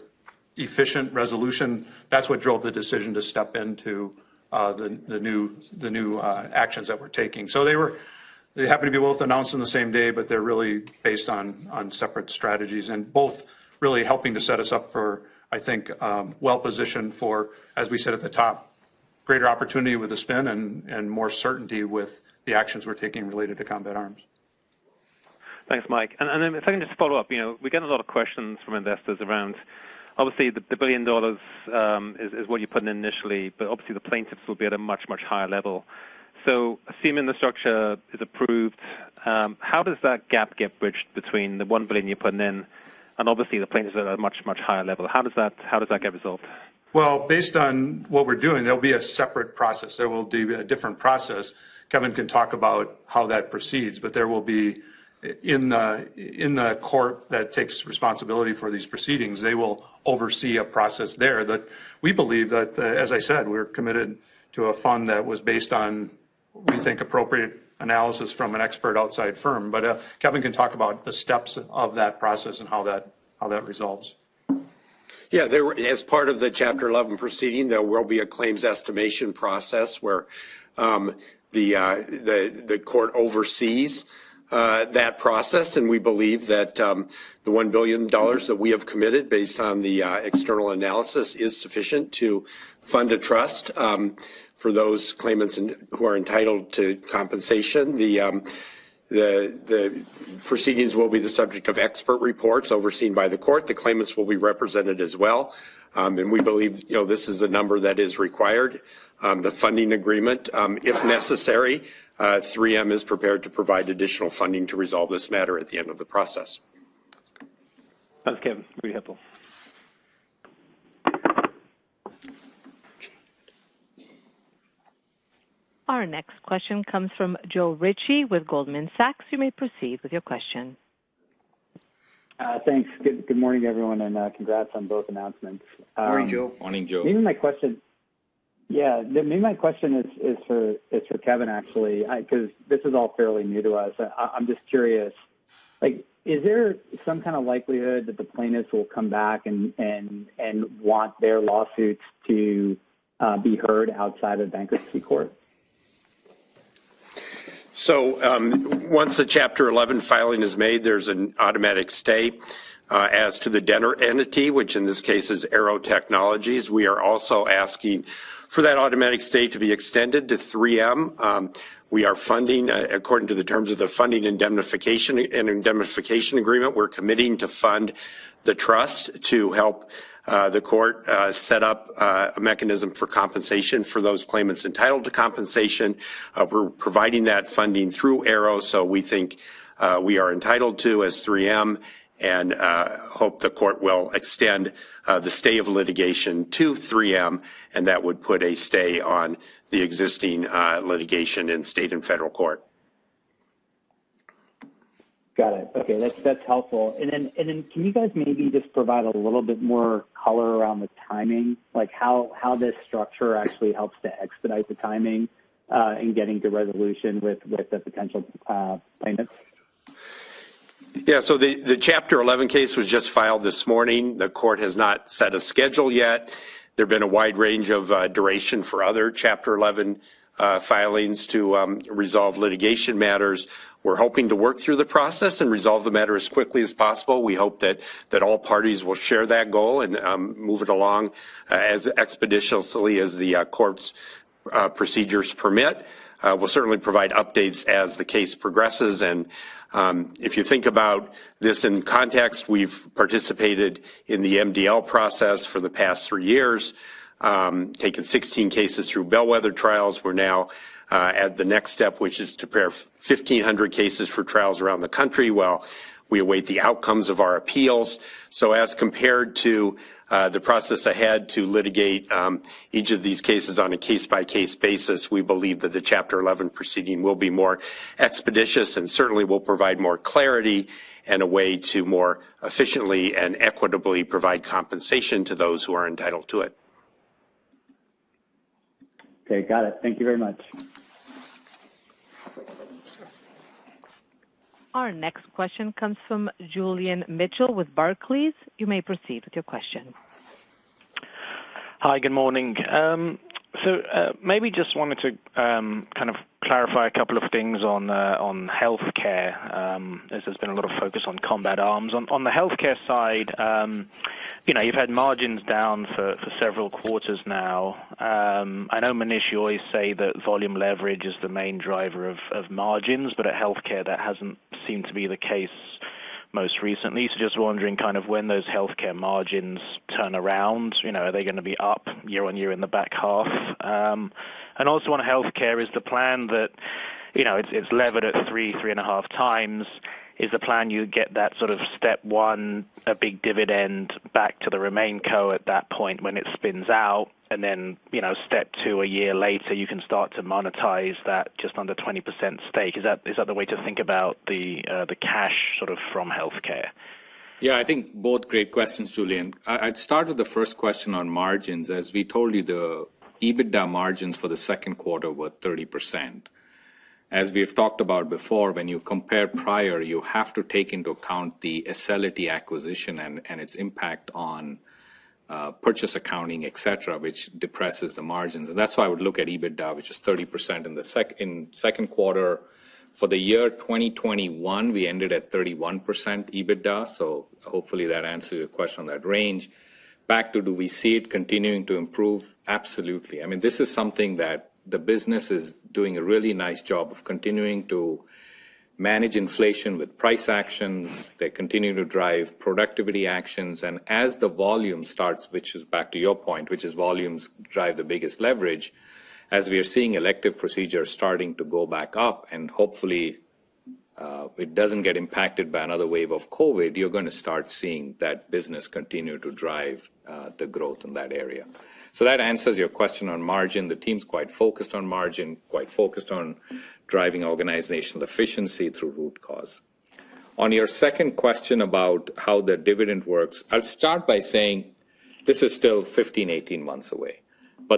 S3: Efficient resolution, that's what drove the decision to step into the new actions that we're taking. They happen to be both announced on the same day, but they're really based on separate strategies and both really helping to set us up for, I think, well-positioned for, as we said at the top, greater opportunity with the spin and more certainty with the actions we're taking related to Combat Arms.
S11: Thanks, Mike. If I can just follow up, you know, we get a lot of questions from investors around, obviously the $1 billion is what you're putting in initially, but obviously the plaintiffs will be at a much, much higher level. Assuming the structure is approved, how does that gap get bridged between the $1 billion you're putting in, and obviously the plaintiffs are at a much, much higher level. How does that get resolved?
S3: Well, based on what we're doing, there'll be a separate process. There will be a different process. Kevin can talk about how that proceeds, but there will be in the court that takes responsibility for these proceedings, they will oversee a process there that we believe that, as I said, we're committed to a fund that was based on what we think appropriate analysis from an expert outside firm. Kevin can talk about the steps of that process and how that resolves.
S12: Yeah. As part of the Chapter 11 proceeding, there will be a claims estimation process where the court oversees that process, and we believe that the $1 billion that we have committed based on the external analysis is sufficient to fund a trust for those claimants who are entitled to compensation. The proceedings will be the subject of expert reports overseen by the court. The claimants will be represented as well. We believe, you know, this is the number that is required, the funding agreement. If necessary, 3M is prepared to provide additional funding to resolve this matter at the end of the process.
S11: Thanks, Kevin. Very helpful.
S1: Our next question comes from Joe Ritchie with Goldman Sachs. You may proceed with your question.
S13: Thanks. Good morning, everyone, and congrats on both announcements.
S3: Morning, Joe.
S5: Morning, Joe.
S13: Yeah, maybe my question is for Kevin, actually. 'Cause this is all fairly new to us. I'm just curious, like, is there some kind of likelihood that the plaintiffs will come back and want their lawsuits to be heard outside of bankruptcy court?
S7: Once the Chapter 11 filing is made, there's an automatic stay as to the debtor entity, which in this case is Aearo Technologies. We are also asking for that automatic stay to be extended to 3M. We are funding according to the terms of the funding indemnification and indemnification agreement, we're committing to fund the trust to help the court set up a mechanism for compensation for those claimants entitled to compensation. We're providing that funding through Aearo, so we think we are entitled to as 3M, and hope the court will extend the stay of litigation to 3M, and that would put a stay on the existing litigation in state and federal court.
S13: Got it. Okay, that's helpful. Can you guys maybe just provide a little bit more color around the timing? Like how this structure actually helps to expedite the timing in getting to resolution with the potential claimants?
S7: Yeah. The Chapter 11 case was just filed this morning. The court has not set a schedule yet. There've been a wide range of duration for other Chapter 11 filings to resolve litigation matters. We're hoping to work through the process and resolve the matter as quickly as possible. We hope that all parties will share that goal and move it along as expeditiously as the court's procedures permit. We'll certainly provide updates as the case progresses. If you think about this in context, we've participated in the MDL process for the past three years, taken 16 cases through bellwether trials. We're now at the next step, which is to prepare 1,500 cases for trials around the country while we await the outcomes of our appeals. As compared to the process ahead to litigate each of these cases on a case-by-case basis, we believe that the Chapter 11 proceeding will be more expeditious and certainly will provide more clarity and a way to more efficiently and equitably provide compensation to those who are entitled to it.
S13: Okay. Got it. Thank you very much.
S1: Our next question comes from Julian Mitchell with Barclays. You may proceed with your question.
S14: Hi. Good morning. Maybe just wanted to kind of clarify a couple of things on healthcare, as there's been a lot of focus on Combat Arms. On the healthcare side, you know, you've had margins down for several quarters now. I know, Monish, you always say that volume leverage is the main driver of margins, but at healthcare, that hasn't seemed to be the case most recently. Just wondering kind of when those healthcare margins turn around, you know, are they gonna be up year-over-year in the back half? Also on healthcare is the plan that, you know, it's levered at 3-3.5 times.
S15: Is the plan you get that sort of step one, a big dividend back to the RemainCo at that point when it spins out and then, you know, step two, a year later, you can start to monetize that just under 20% stake. Is that the way to think about the cash sort of from healthcare?
S4: Yeah, I think both great questions, Julian. I'd start with the first question on margins. As we told you, the EBITDA margins for the second quarter were 30%. As we've talked about before, when you compare prior, you have to take into account the Acelity acquisition and its impact on purchase accounting, et cetera, which depresses the margins. That's why I would look at EBITDA, which is 30% in second quarter. For the year 2021, we ended at 31% EBITDA. Hopefully that answers your question on that range. Back to do we see it continuing to improve? Absolutely. I mean, this is something that the business is doing a really nice job of continuing to manage inflation with price actions. They continue to drive productivity actions. As the volume starts, which is back to your point, which is volumes drive the biggest leverage, as we are seeing elective procedures starting to go back up, and hopefully, it doesn't get impacted by another wave of COVID, you're gonna start seeing that business continue to drive the growth in that area. That answers your question on margin. The team's quite focused on margin, quite focused on driving organizational efficiency through root cause. On your second question about how the dividend works, I'll start by saying this is still 15-18 months away.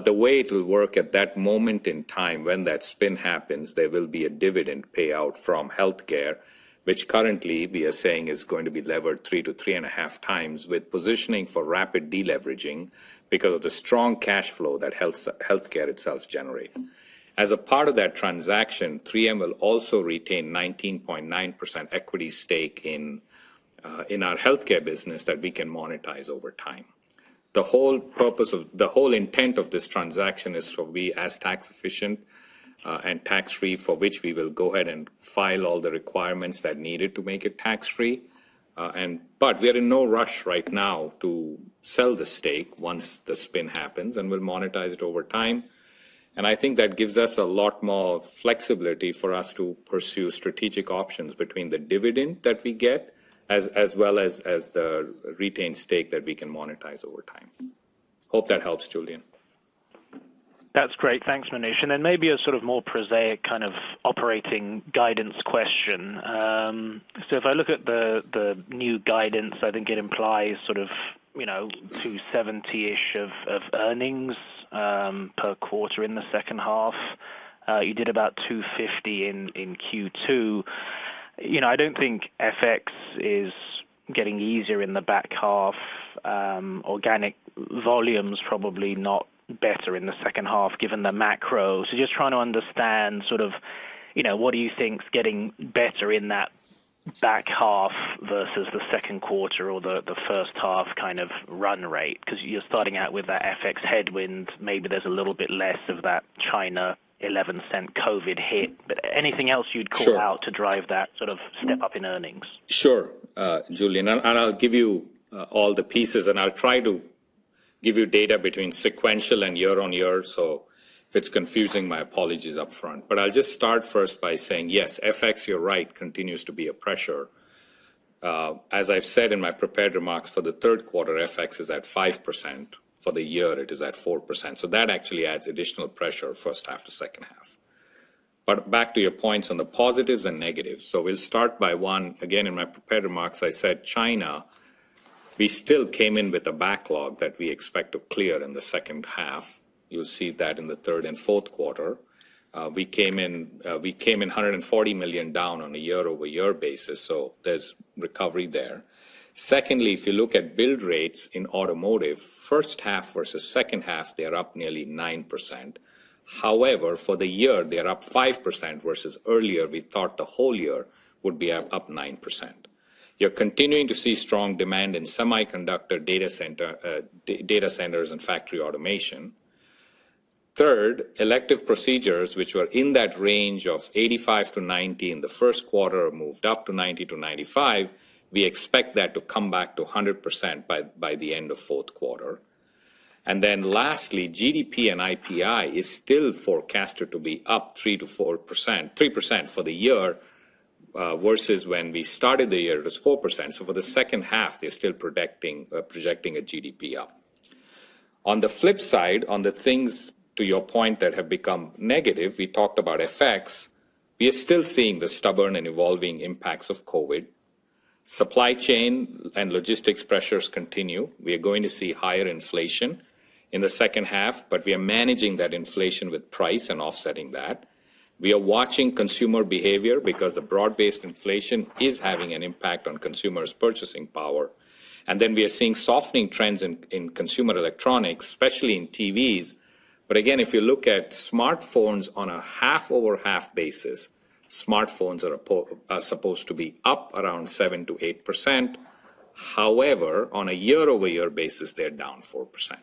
S4: The way it will work at that moment in time when that spin happens, there will be a dividend payout from healthcare, which currently we are saying is going to be levered 3-3.5 times with positioning for rapid deleveraging because of the strong cash flow that healthcare itself generates. As a part of that transaction, 3M will also retain 19.9% equity stake in our healthcare business that we can monetize over time. The whole intent of this transaction is for we, as tax efficient and tax-free, for which we will go ahead and file all the requirements that are needed to make it tax-free. We are in no rush right now to sell the stake once the spin happens, and we'll monetize it over time. I think that gives us a lot more flexibility for us to pursue strategic options between the dividend that we get as well as the retained stake that we can monetize over time. Hope that helps, Julian.
S14: That's great. Thanks, Monish. Maybe a sort of more prosaic kind of operating guidance question. If I look at the new guidance, I think it implies sort of, you know, $2.70-ish of earnings per quarter in the second half. You did about $2.50 in Q2. You know, I don't think FX is getting easier in the back half. Organic volume's probably not better in the second half given the macro. Just trying to understand sort of, you know, what do you think is getting better in that back half versus the second quarter or the first half kind of run rate? 'Cause you're starting out with that FX headwind. Maybe there's a little bit less of that China 11% COVID hit. But anything else you'd call. Sure
S9: out to drive that sort of step up in earnings?
S4: Sure, Julian. I'll give you all the pieces, and I'll try to give you data between sequential and year-on-year. If it's confusing, my apologies up front. I'll just start first by saying, yes, FX, you're right, continues to be a pressure. As I've said in my prepared remarks, for the third quarter, FX is at 5%. For the year, it is at 4%. That actually adds additional pressure first half to second half. Back to your points on the positives and negatives. We'll start by one. Again, in my prepared remarks, I said China, we still came in with a backlog that we expect to clear in the second half. You'll see that in the third and fourth quarter. We came in $140 million down on a year-over-year basis, so there's recovery there. Secondly, if you look at build rates in automotive, first half versus second half, they're up nearly 9%. However, for the year, they're up 5% versus earlier, we thought the whole year would be up nine percent. You're continuing to see strong demand in semiconductor data center, data centers and factory automation. Third, elective procedures, which were in that range of 85%-90% in the first quarter, moved up to 90%-95%. We expect that to come back to 100% by the end of fourth quarter. Lastly, GDP and IPI is still forecasted to be up 3%-4%, 3% for the year, versus when we started the year, it was 4%. For the second half, they're still predicting, projecting a GDP up. On the flip side, on the things, to your point, that have become negative, we talked about FX. We are still seeing the stubborn and evolving impacts of COVID. Supply chain and logistics pressures continue. We are going to see higher inflation in the second half, but we are managing that inflation with price and offsetting that. We are watching consumer behavior because the broad-based inflation is having an impact on consumers' purchasing power. We are seeing softening trends in consumer electronics, especially in TVs. If you look at smartphones on a half-over-half basis, smartphones are supposed to be up around 7%-8%. However, on a year-over-year basis, they're down 4%.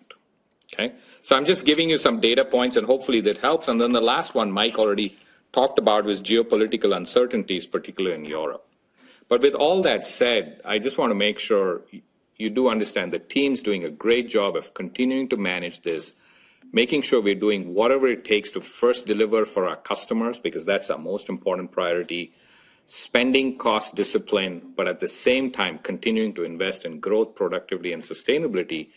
S4: Okay. I'm just giving you some data points, and hopefully that helps. Then the last one Mike already talked about was geopolitical uncertainties, particularly in Europe. With all that said, I just wanna make sure you do understand the team's doing a great job of continuing to manage this, making sure we're doing whatever it takes to first deliver for our customers, because that's our most important priority, spending cost discipline, but at the same time, continuing to invest in growth, productivity and sustainability.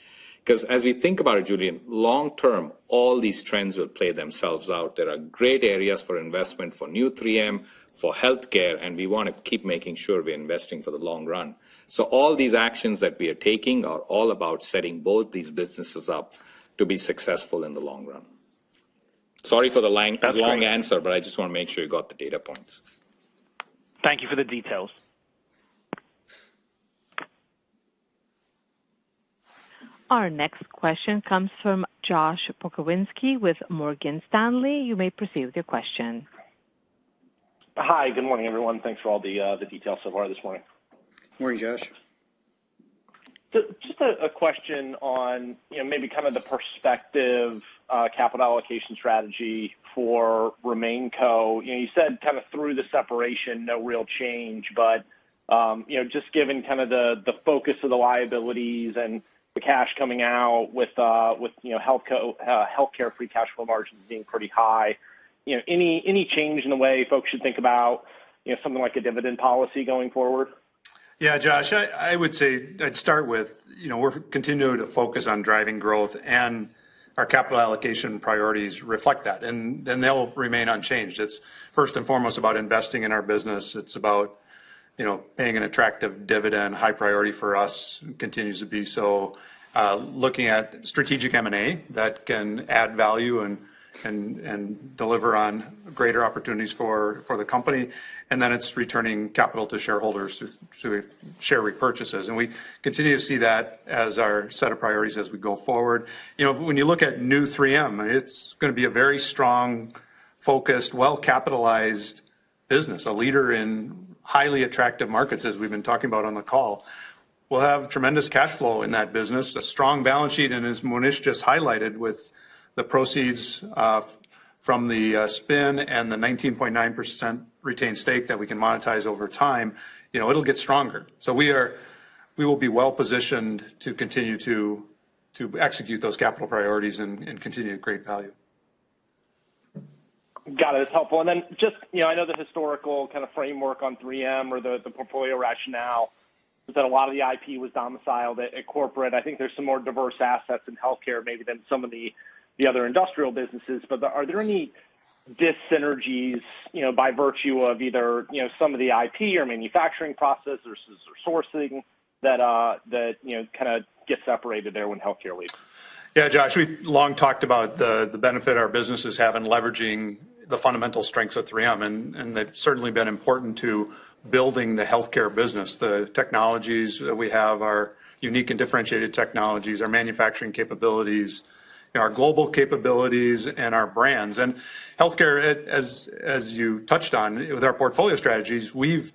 S4: 'Cause as we think about it, Julian, long term, all these trends will play themselves out. There are great areas for investment for new 3M, for healthcare, and we wanna keep making sure we're investing for the long run. All these actions that we are taking are all about setting both these businesses up to be successful in the long run. Sorry for the line. That's great.
S14: Long answer, but I just wanna make sure you got the data points.
S4: Thank you for the details.
S1: Our next question comes from Josh Pokrzywinski with Morgan Stanley. You may proceed with your question.
S16: Hi. Good morning, everyone. Thanks for all the details so far this morning.
S3: Morning, Josh.
S16: Just a question on, you know, maybe kind of the perspective, capital allocation strategy for RemainCo. You know, you said kind of through the separation, no real change, but, you know, just given kind of the focus of the liabilities and the cash coming out with, you know, Health Care free cash flow margins being pretty high, you know, any change in the way folks should think about, you know, something like a dividend policy going forward?
S3: Yeah. Josh, I would say I'd start with, you know, we're continuing to focus on driving growth and our capital allocation priorities reflect that, and then they'll remain unchanged. It's first and foremost about investing in our business. It's about, you know, paying an attractive dividend, high priority for us continues to be so. Looking at strategic M&A that can add value and deliver on greater opportunities for the company, and then it's returning capital to shareholders through share repurchases. We continue to see that as our set of priorities as we go forward. You know, when you look at new 3M, it's gonna be a very strong, focused, well-capitalized business, a leader in highly attractive markets, as we've been talking about on the call. We'll have tremendous cash flow in that business, a strong balance sheet, and as Monish just highlighted, with the proceeds from the spin and the 19.9% retained stake that we can monetize over time, you know, it'll get stronger. We will be well-positioned to continue to execute those capital priorities and continue to create value.
S16: Got it. It's helpful. Then just, you know, I know the historical kind of framework on 3M or the portfolio rationale is that a lot of the IP was domiciled at corporate. I think there's some more diverse assets in healthcare maybe than some of the other industrial businesses. Are there any dyssynergies, you know, by virtue of either, you know, some of the IP or manufacturing process or sourcing that, you know, kind of get separated there when healthcare leaves?
S3: Yeah. Josh, we've long talked about the benefit our businesses have in leveraging the fundamental strengths of 3M, and they've certainly been important to building the healthcare business. The technologies that we have are unique and differentiated technologies, our manufacturing capabilities, our global capabilities and our brands. Healthcare, as you touched on, with our portfolio strategies, we've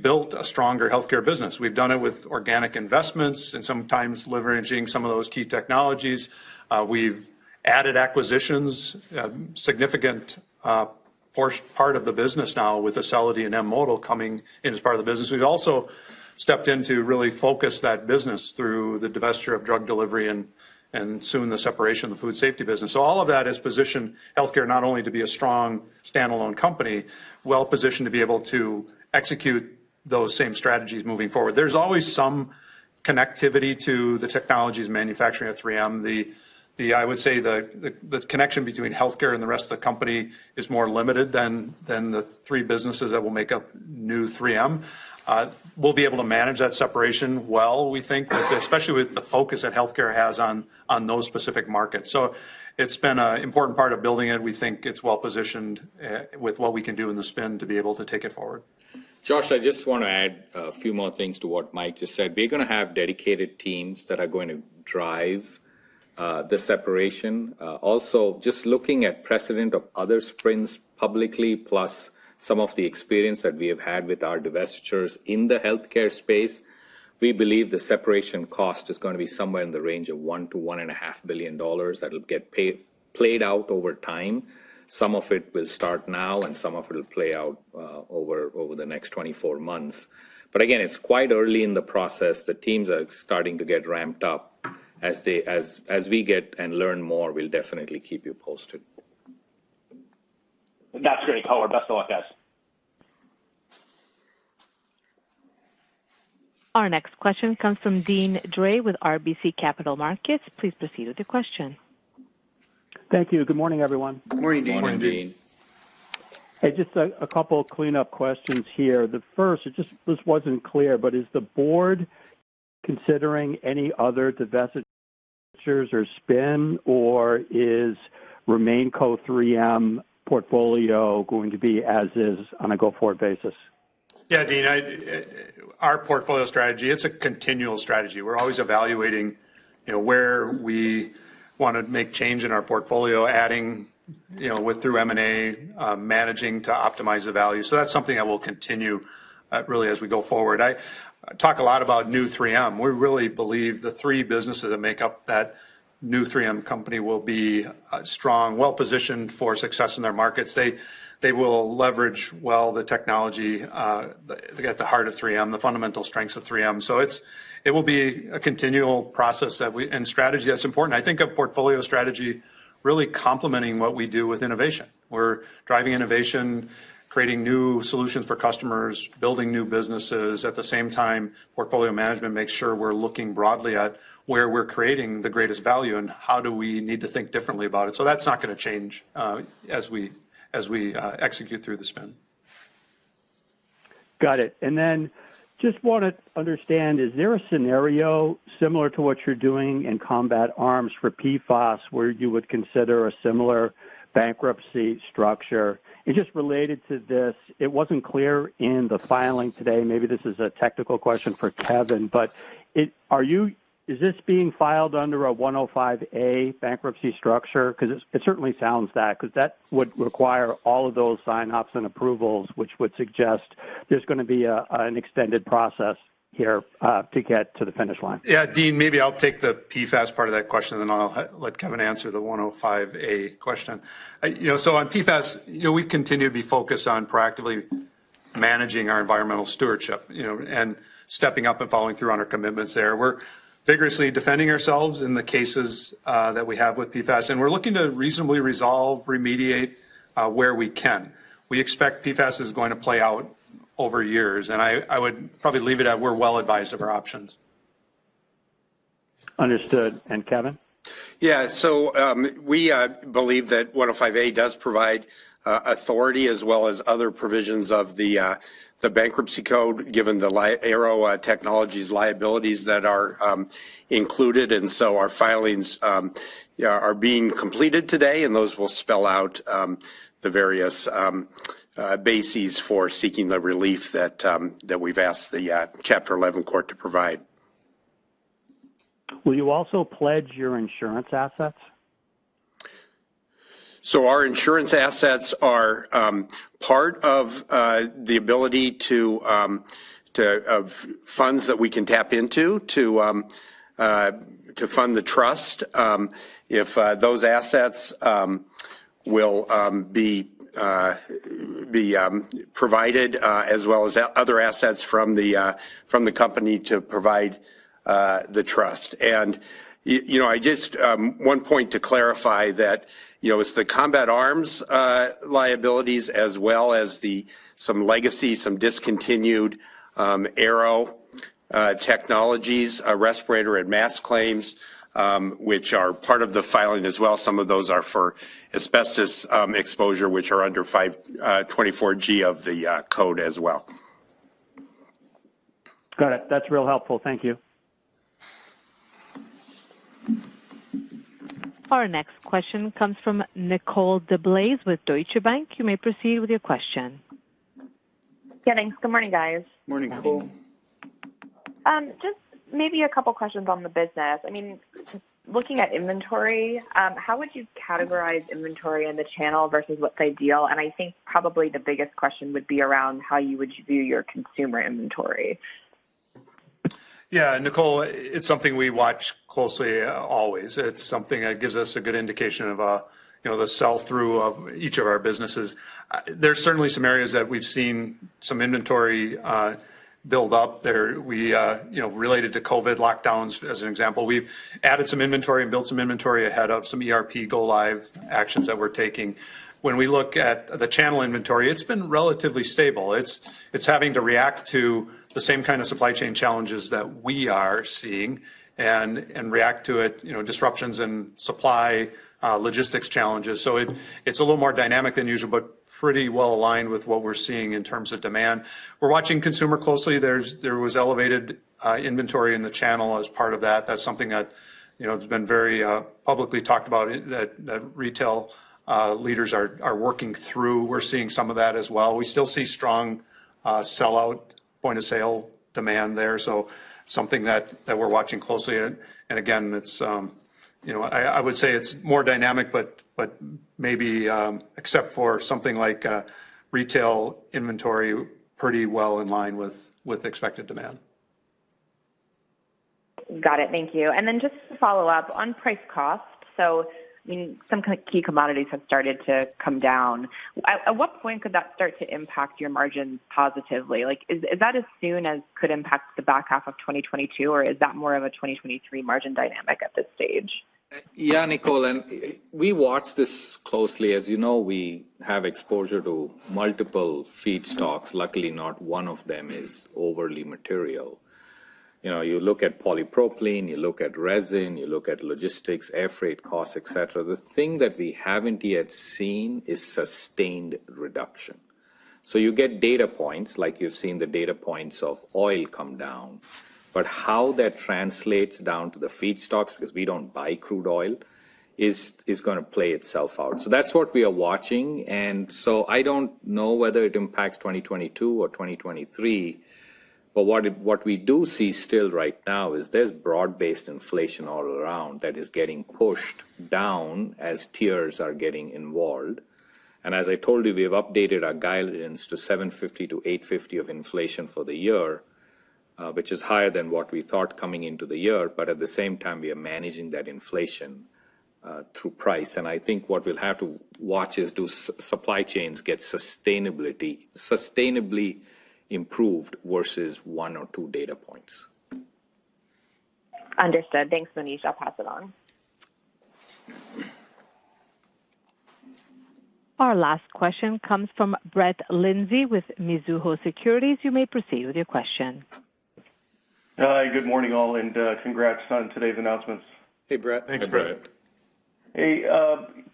S3: built a stronger healthcare business. We've done it with organic investments and sometimes leveraging some of those key technologies. We've added acquisitions, significant part of the business now with Acelity and M*Modal coming in as part of the business. We've also stepped in to really focus that business through the divestiture of drug delivery and soon the separation of the food safety business. All of that has positioned healthcare not only to be a strong standalone company, well-positioned to be able to execute those same strategies moving forward. There's always some connectivity to the technologies manufacturing at 3M. I would say the connection between healthcare and the rest of the company is more limited than the three businesses that will make up new 3M. We'll be able to manage that separation well, we think, with the, especially with the focus that healthcare has on those specific markets. It's been an important part of building it. We think it's well-positioned with what we can do in the spin to be able to take it forward.
S1: Our next question comes from Deane Dray with RBC Capital Markets. Please proceed with your question.
S17: Thank you. Good morning, everyone.
S3: Good morning, Deane.
S16: Morning, Deane. Hey, just a couple clean-up questions here. The first, this wasn't clear, but is the board considering any other divestitures or spin, or is RemainCo 3M portfolio going to be as is on a go-forward basis?
S3: Deane, our portfolio strategy, it's a continual strategy. We're always evaluating, you know, where we wanna make change in our portfolio, adding, you know, through M&A, managing to optimize the value. That's something that will continue, really as we go forward. I talk a lot about new 3M. We really believe the three businesses that make up that new 3M company will be strong, well-positioned for success in their markets. They will leverage well the technology at the heart of 3M, the fundamental strengths of 3M. It will be a continual process that we and strategy that's important. I think of portfolio strategy really complementing what we do with innovation. We're driving innovation, creating new solutions for customers, building new businesses. At the same time, portfolio management makes sure we're looking broadly at where we're creating the greatest value and how do we need to think differently about it. That's not gonna change, as we execute through the spin.
S17: Got it. Then just wanna understand, is there a scenario similar to what you're doing in Combat Arms for PFAS, where you would consider a similar bankruptcy structure? Just related to this, it wasn't clear in the filing today, maybe this is a technical question for Kevin, but is this being filed under a Section 105(a) bankruptcy structure? 'Cause it certainly sounds that, 'cause that would require all of those sign-offs and approvals, which would suggest there's gonna be an extended process here to get to the finish line.
S3: Yeah, Deane, maybe I'll take the PFAS part of that question, and then I'll let Kevin answer the 105(a) question. You know, on PFAS, you know, we continue to be focused on proactively managing our environmental stewardship, you know, and stepping up and following through on our commitments there. We're vigorously defending ourselves in the cases that we have with PFAS, and we're looking to reasonably resolve, remediate where we can. We expect PFAS is going to play out over years, and I would probably leave it at we're well advised of our options. Understood. Kevin?
S7: Yeah. We believe that 105(a) does provide authority as well as other provisions of the Bankruptcy Code, given the Aearo Technologies liabilities that are included. Our filings are being completed today, and those will spell out the various bases for seeking the relief that we've asked the Chapter 11 court to provide.
S17: Will you also pledge your insurance assets?
S7: Our insurance assets are part of the funds that we can tap into to fund the trust if those assets will be provided as well as other assets from the company to provide the trust. You know, I just one point to clarify that, you know, it's the Combat Arms liabilities as well as some legacy, some discontinued Aearo Technologies respirator and mask claims, which are part of the filing as well. Some of those are for asbestos exposure, which are under 524(g) of the code as well.
S17: Got it. That's real helpful. Thank you.
S1: Our next question comes from Nicole DeBlase with Deutsche Bank. You may proceed with your question.
S18: Yeah, thanks. Good morning, guys.
S3: Morning, Nicole.
S18: Just maybe a couple questions on the business. I mean, just looking at inventory, how would you categorize inventory in the channel versus what's ideal? I think probably the biggest question would be around how you would view your consumer inventory.
S3: Yeah, Nicole, it's something we watch closely always. It's something that gives us a good indication of, you know, the sell-through of each of our businesses. There's certainly some areas that we've seen some inventory build up there. We, you know, related to COVID lockdowns, as an example, we've added some inventory and built some inventory ahead of some ERP go live actions that we're taking. When we look at the channel inventory, it's been relatively stable. It's having to react to the same kind of supply chain challenges that we are seeing and react to it, you know, disruptions in supply, logistics challenges. It's a little more dynamic than usual, but pretty well aligned with what we're seeing in terms of demand. We're watching consumer closely. There was elevated inventory in the channel as part of that. That's something that, you know, has been very publicly talked about at retail. Leaders are working through. We're seeing some of that as well. We still see strong sellout point of sale demand there. Something that we're watching closely. Again, it's, you know, I would say it's more dynamic, but maybe except for something like retail inventory pretty well in line with expected demand.
S18: Got it. Thank you. Just to follow up on price cost. I mean, some kind of key commodities have started to come down. At what point could that start to impact your margins positively? Like, is that as soon as could impact the back half of 2022, or is that more of a 2023 margin dynamic at this stage?
S4: Yeah, Nicole. We watch this closely. As you know, we have exposure to multiple feedstocks. Luckily, not one of them is overly material. You know, you look at polypropylene, you look at resin, you look at logistics, airfreight costs, et cetera. The thing that we haven't yet seen is sustained reduction. You get data points, like you've seen the data points of oil come down, but how that translates down to the feedstocks, because we don't buy crude oil, is gonna play itself out. That's what we are watching. I don't know whether it impacts 2022 or 2023, but what we do see still right now is there's broad-based inflation all around that is getting pushed down as tiers are getting involved. As I told you, we have updated our guidance to $750-$850 of inflation for the year, which is higher than what we thought coming into the year. At the same time, we are managing that inflation through price. I think what we'll have to watch is do supply chains get sustainably improved versus one or two data points.
S18: Understood. Thanks, Monish. I'll pass it on.
S1: Our last question comes from Brett Linzey with Mizuho Securities. You may proceed with your question.
S19: Good morning, all, and congrats on today's announcements.
S4: Hey, Brett.
S2: Thanks, Brett.
S19: Hey,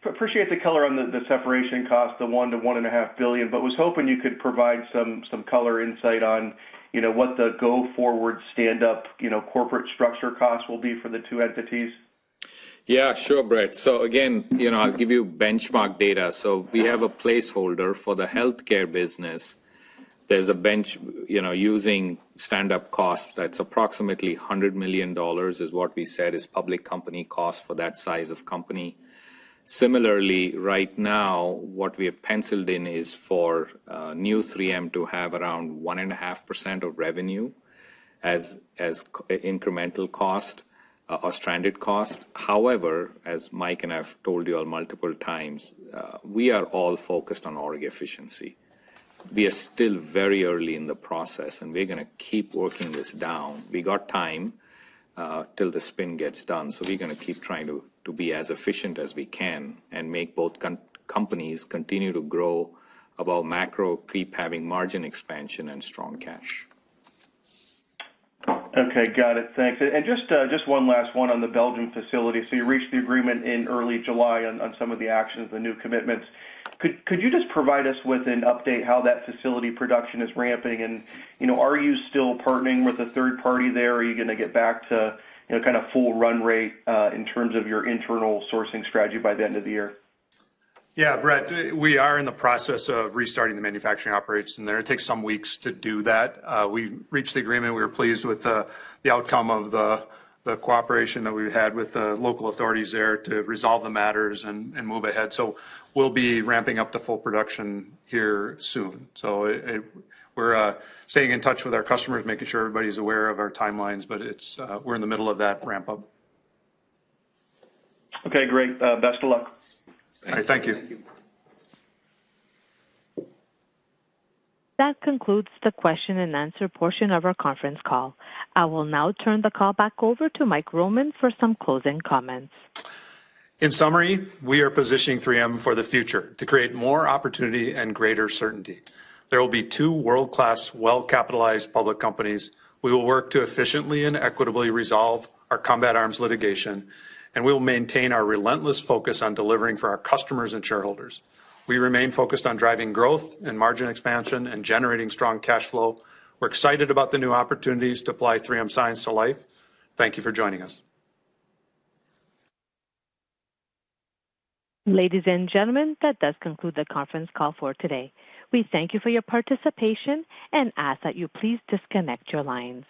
S19: appreciate the color on the separation cost, the $1 billion-$1.5 billion, but was hoping you could provide some color insight on, you know, what the go forward stand up, you know, corporate structure costs will be for the two entities?
S4: Yeah, sure, Brett. Again, you know, I'll give you benchmark data. We have a placeholder for the Health Care Business. You know, using standup costs, that's approximately $100 million is what we said is public company cost for that size of company. Similarly, right now, what we have penciled in is for new 3M to have around 1.5% of revenue as incremental cost or stranded cost. However, as Mike and I have told you all multiple times, we are all focused on org efficiency. We are still very early in the process, and we're gonna keep working this down. We got time till the spin gets done. We're gonna keep trying to be as efficient as we can and make both companies continue to grow above macro prep having margin expansion and strong cash.
S19: Okay. Got it. Thanks. Just one last one on the Belgium facility. You reached the agreement in early July on some of the actions, the new commitments. Could you just provide us with an update how that facility production is ramping? You know, are you still partnering with a third party there, or are you gonna get back to, you know, kind of full run rate in terms of your internal sourcing strategy by the end of the year?
S4: Yeah, Brett, we are in the process of restarting the manufacturing operations there. It takes some weeks to do that. We reached the agreement. We were pleased with the outcome of the cooperation that we've had with the local authorities there to resolve the matters and move ahead. We'll be ramping up to full production here soon. We're staying in touch with our customers, making sure everybody's aware of our timelines, but we're in the middle of that ramp up.
S19: Okay, great. Best of luck.
S4: All right. Thank you.
S2: Thank you.
S1: That concludes the question and answer portion of our conference call. I will now turn the call back over to Mike Roman for some closing comments.
S4: In summary, we are positioning 3M for the future to create more opportunity and greater certainty. There will be two world-class, well-capitalized public companies. We will work to efficiently and equitably resolve our combat arms litigation, and we will maintain our relentless focus on delivering for our customers and shareholders. We remain focused on driving growth and margin expansion and generating strong cash flow. We're excited about the new opportunities to apply 3M science to life. Thank you for joining us.
S1: Ladies and gentlemen, that does conclude the conference call for today. We thank you for your participation and ask that you please disconnect your lines.